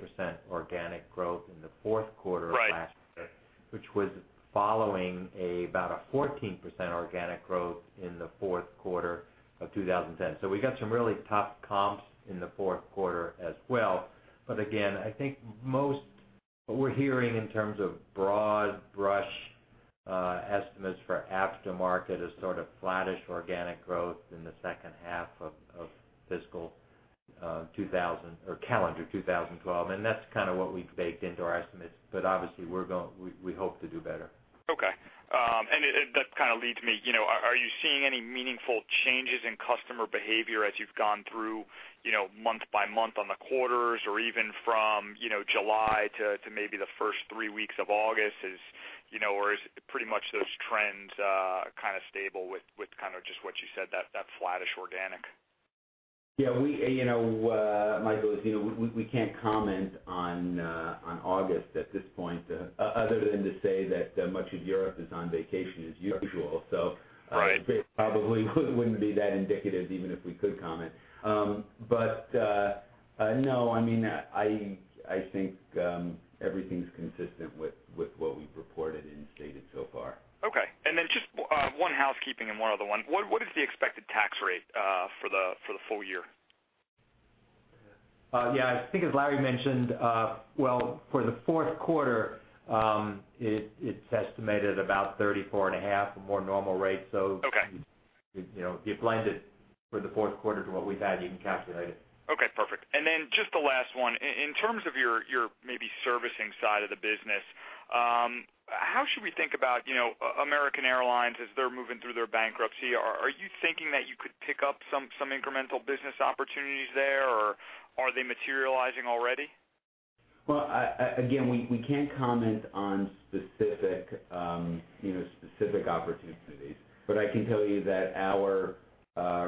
organic growth in the fourth quarter of last year. Right. Which was following about a 14% organic growth in the fourth quarter of 2010. We got some really tough comps in the fourth quarter as well. Again, I think what we're hearing in terms of broad brush estimates for aftermarket is sort of flattish organic growth in the second half of calendar 2012, and that's kind of what we've baked into our estimates. Obviously, we hope to do better. Okay. That kind of leads me, are you seeing any meaningful changes in customer behavior as you've gone through month by month on the quarters or even from July to maybe the first three weeks of August? Is it pretty much those trends kind of stable with kind of just what you said, that flattish organic? Michael, as you know, we can't comment on August at this point, other than to say that much of Europe is on vacation as usual. Right It probably wouldn't be that indicative even if we could comment. No, I think everything's consistent with what we've reported and stated so far. Okay. Just one housekeeping and one other one. What is the expected tax rate for the full year? I think as Larry mentioned, well, for the fourth quarter, it's estimated about 34 and a half, a more normal rate. Okay. If you blend it for the fourth quarter to what we've had, you can calculate it. Okay, perfect. Then just the last one. In terms of your maybe servicing side of the business, how should we think about American Airlines as they're moving through their bankruptcy? Are you thinking that you could pick up some incremental business opportunities there, or are they materializing already? Again, we can't comment on specific opportunities, but I can tell you that our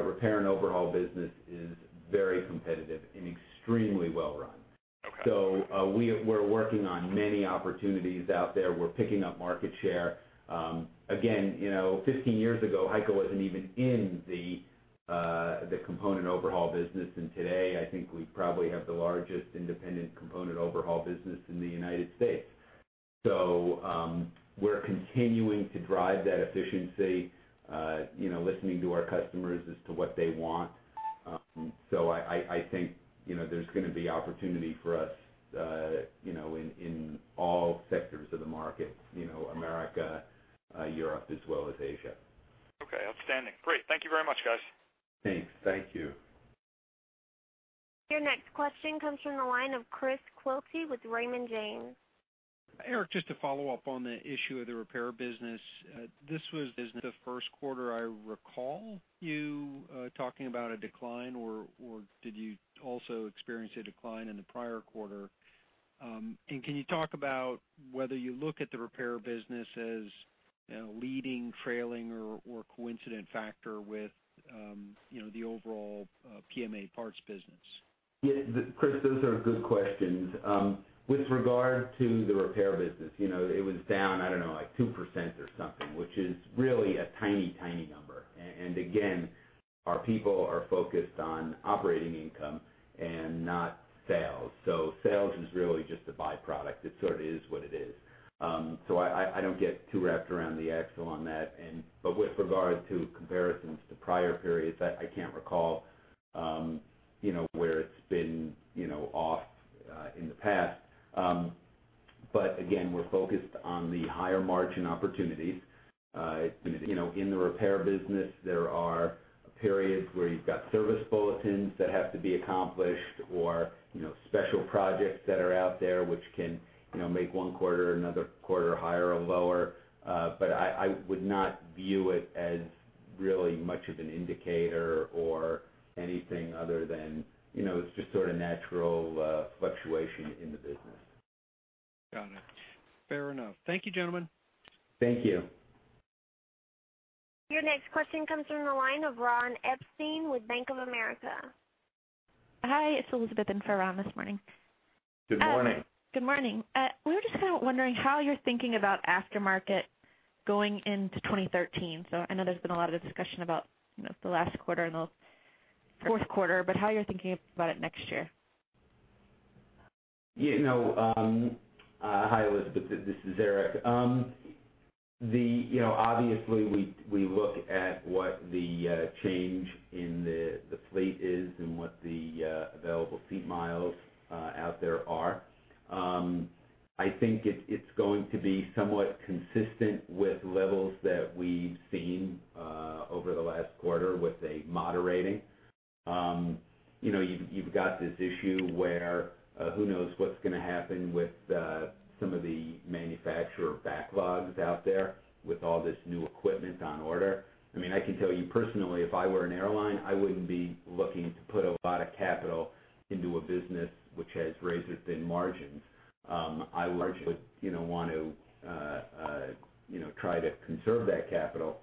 repair and overhaul business is very competitive and extremely well-run. Okay. We're working on many opportunities out there. We're picking up market share. Again, 15 years ago, HEICO wasn't even in the component overhaul business, and today, I think we probably have the largest independent component overhaul business in the United States. We're continuing to drive that efficiency, listening to our customers as to what they want. I think there's going to be opportunity for us in all sectors of the market, America, Europe, as well as Asia. Okay, outstanding. Great. Thank you very much, guys. Thanks. Thank you. Your next question comes from the line of Chris Quilty with Raymond James. Eric, just to follow up on the issue of the repair business, this was the first quarter I recall you talking about a decline or did you also experience a decline in the prior quarter? Can you talk about whether you look at the repair business as a leading, trailing, or coincident factor with the overall PMA parts business? Chris, those are good questions. With regard to the repair business, it was down, I don't know, like 2% or something, which is really a tiny number. Again, our people are focused on operating income and not sales. Sales is really just a byproduct. It sort of is what it is. I don't get too wrapped around the axle on that. With regard to comparisons to prior periods, I can't recall where it's been off in the past. Again, we're focused on the higher-margin opportunities. In the repair business, there are periods where you've got service bulletins that have to be accomplished or special projects that are out there, which can make one quarter another quarter higher or lower. I would not view it as really much of an indicator or anything other than it's just sort of natural fluctuation in the business. Got it. Fair enough. Thank you, gentlemen. Thank you. Your next question comes from the line of Ron Epstein with Bank of America. Hi, it's Elizabeth in for Ron this morning. Good morning. Good morning. We were just kind of wondering how you're thinking about aftermarket going into 2013. I know there's been a lot of discussion about the last quarter and the fourth quarter, but how you're thinking about it next year. Hi, Elizabeth, this is Eric. Obviously, we look at what the change in the fleet is and what the available seat miles out there are. I think it's going to be somewhat consistent with levels that we've seen over the last quarter with a moderating. You've got this issue where who knows what's going to happen with some of the manufacturer backlogs out there with all this new equipment on order. I can tell you personally, if I were an airline, I wouldn't be looking to put a lot of capital into a business which has razor-thin margins. I would want to try to conserve that capital,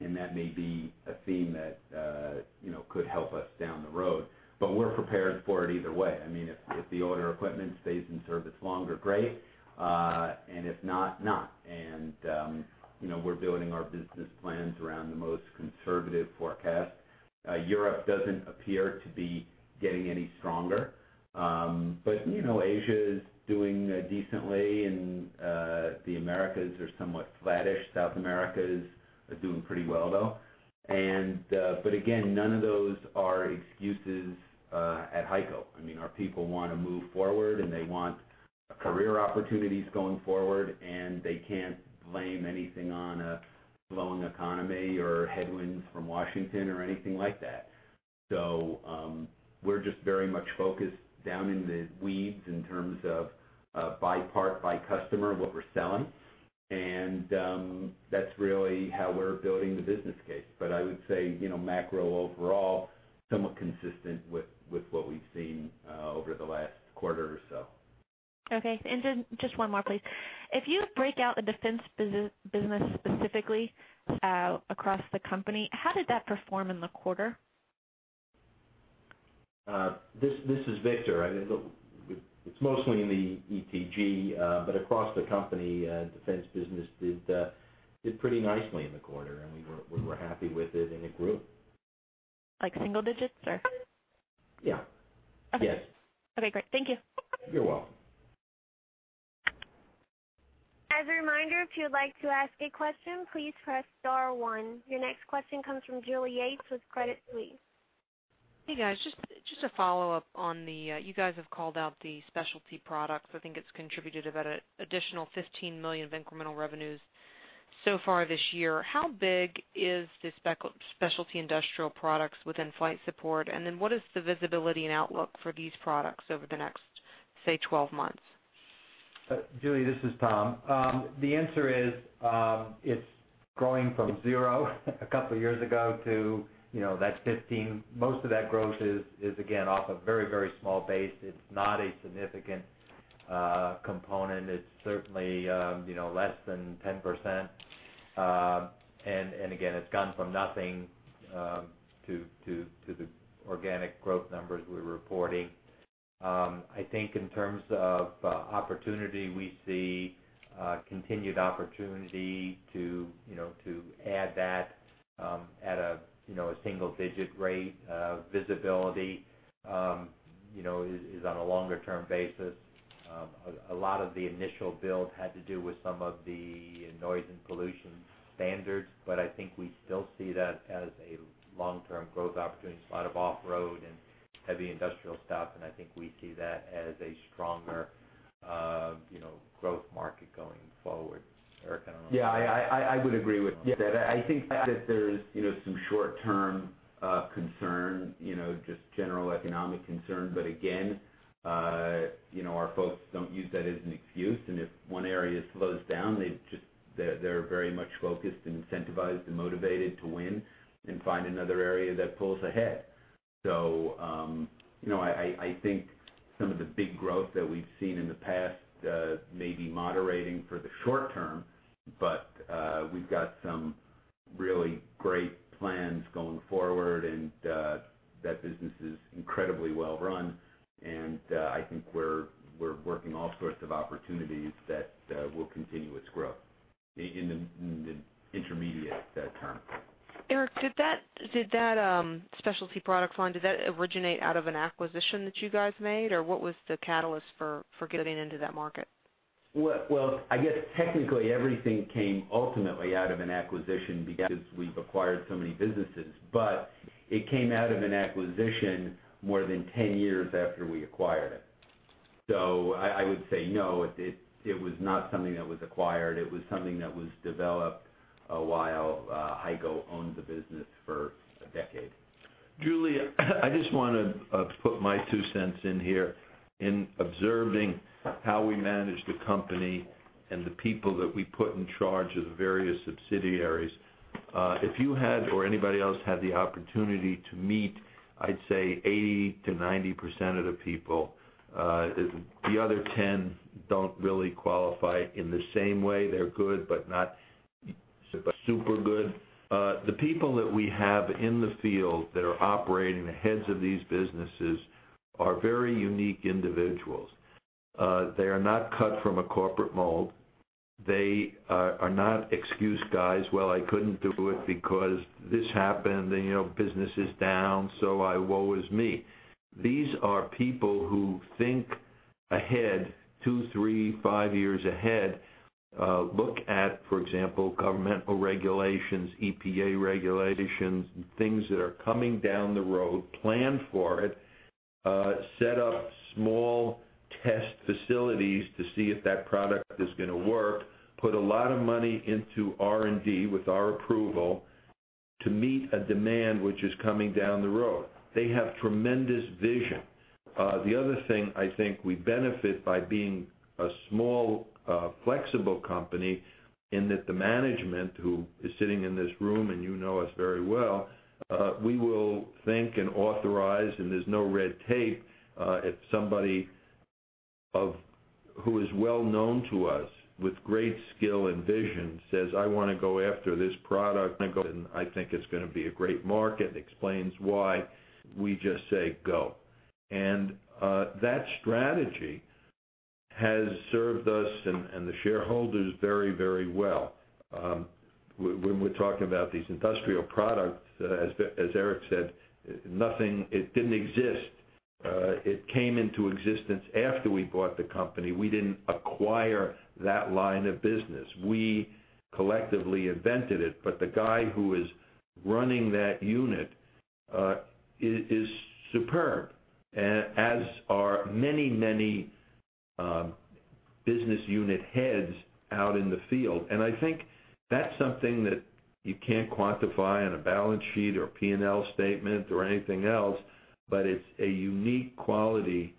and that may be a theme that could help us down the road. We're prepared for it either way. If the older equipment stays in service longer, great, and if not. We're building our business plans around the most conservative forecast. Europe doesn't appear to be getting any stronger. Asia is doing decently, and the Americas are somewhat flattish. South America is doing pretty well, though. Again, none of those are excuses at HEICO. Our people want to move forward, and they want career opportunities going forward, and they can't blame anything on a slowing economy or headwinds from Washington or anything like that. We're just very much focused down in the weeds in terms of by part, by customer, what we're selling. That's really how we're building the business case. I would say, macro overall, somewhat consistent with what we've seen over the last quarter or so. Okay. Just one more, please. If you break out the defense business specifically across the company, how did that perform in the quarter? This is Victor. It's mostly in the ETG. Across the company, defense business did pretty nicely in the quarter. We were happy with it. It grew. Like single digits or? Yeah. Okay. Yes. Okay, great. Thank you. You're welcome. As a reminder, if you would like to ask a question, please press star one. Your next question comes from Julie Yates with Credit Suisse. Hey, guys. You guys have called out the specialty products. I think it's contributed about an additional $15 million of incremental revenues so far this year. How big is the specialty industrial products within flight support? What is the visibility and outlook for these products over the next, say, 12 months? Julie, this is Tom. The answer is, it's growing from zero a couple of years ago to that 15. Most of that growth is, again, off a very small base. It's not a significant component. It's certainly less than 10%. Again, it's gone from nothing to the organic growth numbers we're reporting. I think in terms of opportunity, we see continued opportunity to add that at a single-digit rate. Visibility is on a longer-term basis. A lot of the initial build had to do with some of the noise and pollution standards, I think we still see that as a long-term growth opportunity. It's a lot of off-road and heavy industrial stuff, I think we see that as a stronger growth market going forward. Eric, I don't know. Yeah, I would agree with that. I think that there's some short-term concern, just general economic concern. Again, our folks don't use that as an excuse. If one area slows down, they're very much focused and incentivized and motivated to win and find another area that pulls ahead. I think some of the big growth that we've seen in the past may be moderating for the short term, but we've got some really great plans going forward, that business is incredibly well run. I think we're working all sorts of opportunities that will continue its growth in the intermediate term. Eric, did that specialty products line originate out of an acquisition that you guys made? What was the catalyst for getting into that market? I guess technically everything came ultimately out of an acquisition because we've acquired so many businesses. It came out of an acquisition more than 10 years after we acquired it. I would say no, it was not something that was acquired. It was something that was developed while HEICO owned the business for a decade. Julie, I just want to put my two cents in here. In observing how we manage the company and the people that we put in charge of the various subsidiaries. If you had, or anybody else had the opportunity to meet, I'd say 80%-90% of the people. The other 10 don't really qualify in the same way. They're good, but not super good. The people that we have in the field that are operating, the heads of these businesses, are very unique individuals. They are not cut from a corporate mold. They are not excuse guys. "I couldn't do it because this happened, business is down, so woe is me." These are people who think ahead two, three, five years ahead. Look at, for example, governmental regulations, EPA regulations, and things that are coming down the road, plan for it, set up small test facilities to see if that product is going to work, put a lot of money into R&D with our approval to meet a demand which is coming down the road. They have tremendous vision. The other thing, I think we benefit by being a small, flexible company in that the management who is sitting in this room, and you know us very well, we will think and authorize, and there's no red tape. If somebody who is well known to us with great skill and vision says, "I want to go after this product, and I think it's going to be a great market," explains why, we just say go. That strategy has served us and the shareholders very well. When we're talking about these industrial products, as Eric said, it didn't exist. It came into existence after we bought the company. We didn't acquire that line of business. We collectively invented it. The guy who is running that unit is superb, as are many business unit heads out in the field. I think that's something that you can't quantify on a balance sheet or a P&L statement or anything else, but it's a unique quality,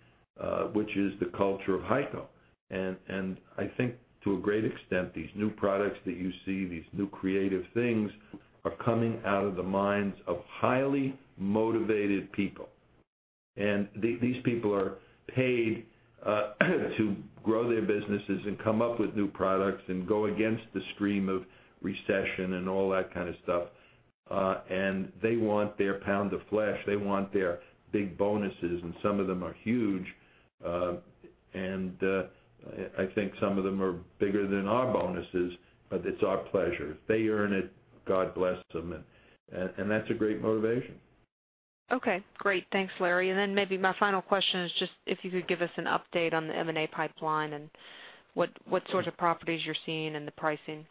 which is the culture of HEICO. I think to a great extent, these new products that you see, these new creative things, are coming out of the minds of highly motivated people. These people are paid to grow their businesses and come up with new products and go against the stream of recession and all that kind of stuff. They want their pound of flesh, they want their big bonuses, and some of them are huge. I think some of them are bigger than our bonuses, but it's our pleasure. If they earn it, God bless them. That's a great motivation. Okay, great. Thanks, Larry. Maybe my final question is just if you could give us an update on the M&A pipeline, what sorts of properties you're seeing and the pricing.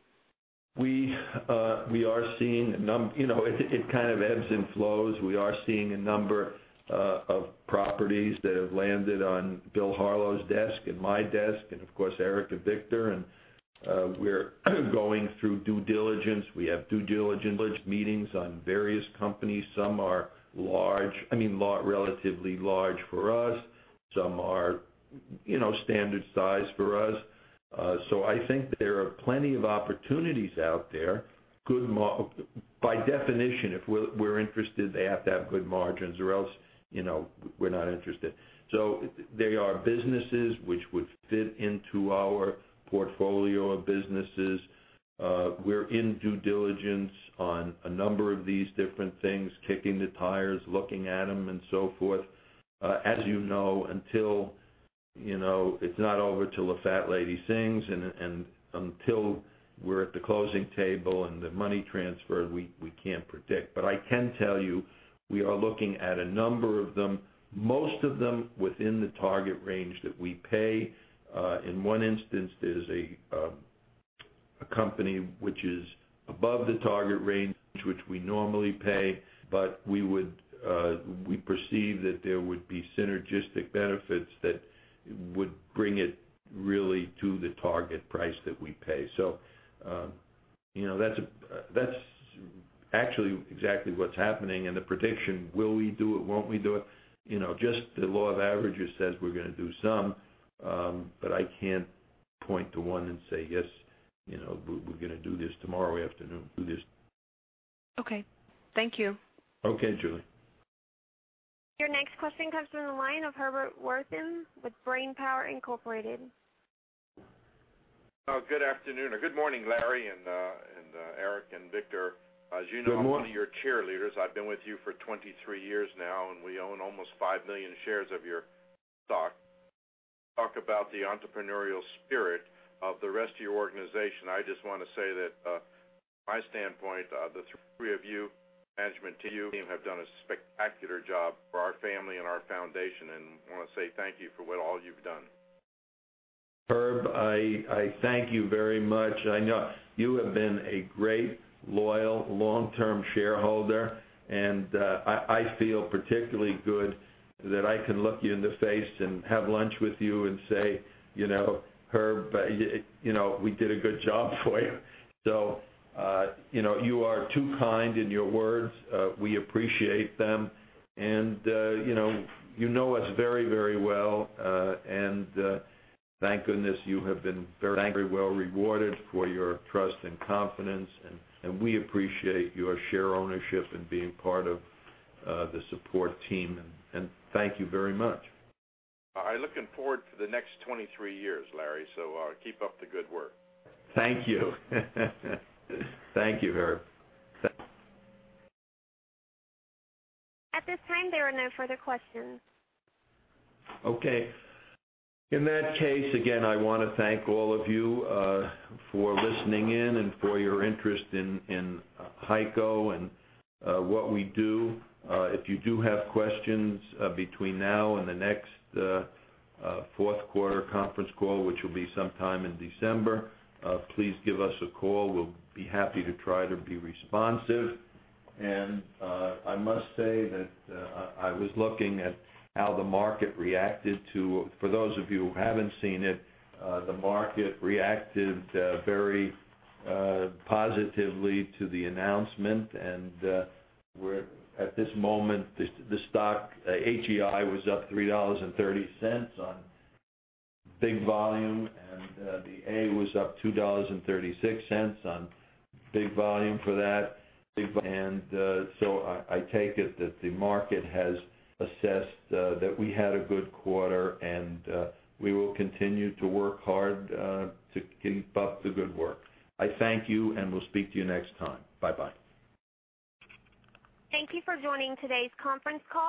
We are seeing. It kind of ebbs and flows. We are seeing a number of properties that have landed on Bill Harlow's desk and my desk, and of course, Eric and Victor. We're going through due diligence. We have due diligence meetings on various companies. Some are relatively large for us. Some are standard size for us. I think there are plenty of opportunities out there. By definition, if we're interested, they have to have good margins, or else we're not interested. They are businesses which would fit into our portfolio of businesses. We're in due diligence on a number of these different things, kicking the tires, looking at them, and so forth. As you know, it's not over till the fat lady sings, until we're at the closing table and the money transferred, we can't predict. I can tell you, we are looking at a number of them, most of them within the target range that we pay. In one instance, there's a company which is above the target range which we normally pay. We perceive that there would be synergistic benefits that would bring it really to the target price that we pay. That's actually exactly what's happening, the prediction, will we do it? Won't we do it? Just the law of averages says we're going to do some. I can't point to one and say, "Yes, we're going to do this tomorrow afternoon. Okay. Thank you. Okay, Julie. Your next question comes from the line of Herbert Wertheim with Brain Power Incorporated. Oh, good afternoon or good morning, Larry, and Eric and Victor. Good morning. As you know, I'm one of your cheerleaders. I've been with you for 23 years now, and we own almost five million shares of your stock. Talk about the entrepreneurial spirit of the rest of your organization. I just want to say that, from my standpoint, the three of you, management team, have done a spectacular job for our family and our foundation, and I want to say thank you for what all you've done. Herb, I thank you very much. I know you have been a great, loyal, long-term shareholder, and I feel particularly good that I can look you in the face and have lunch with you and say, "Herb, we did a good job for you." You are too kind in your words. We appreciate them. You know us very well, and thank goodness you have been very well rewarded for your trust and confidence, and we appreciate your share ownership and being part of the support team, and thank you very much. I'm looking forward to the next 23 years, Larry, keep up the good work. Thank you. Thank you, Herb. At this time, there are no further questions. Okay. In that case, again, I want to thank all of you for listening in and for your interest in HEICO and what we do. If you do have questions between now and the next fourth quarter conference call, which will be sometime in December, please give us a call. We'll be happy to try to be responsive. I must say that For those of you who haven't seen it, the market reacted very positively to the announcement, and at this moment, the stock, HEI, was up $3.30 on big volume, and the A was up $2.36 on big volume for that. I take it that the market has assessed that we had a good quarter, and we will continue to work hard to keep up the good work. I thank you. We'll speak to you next time. Bye-bye. Thank you for joining today's conference call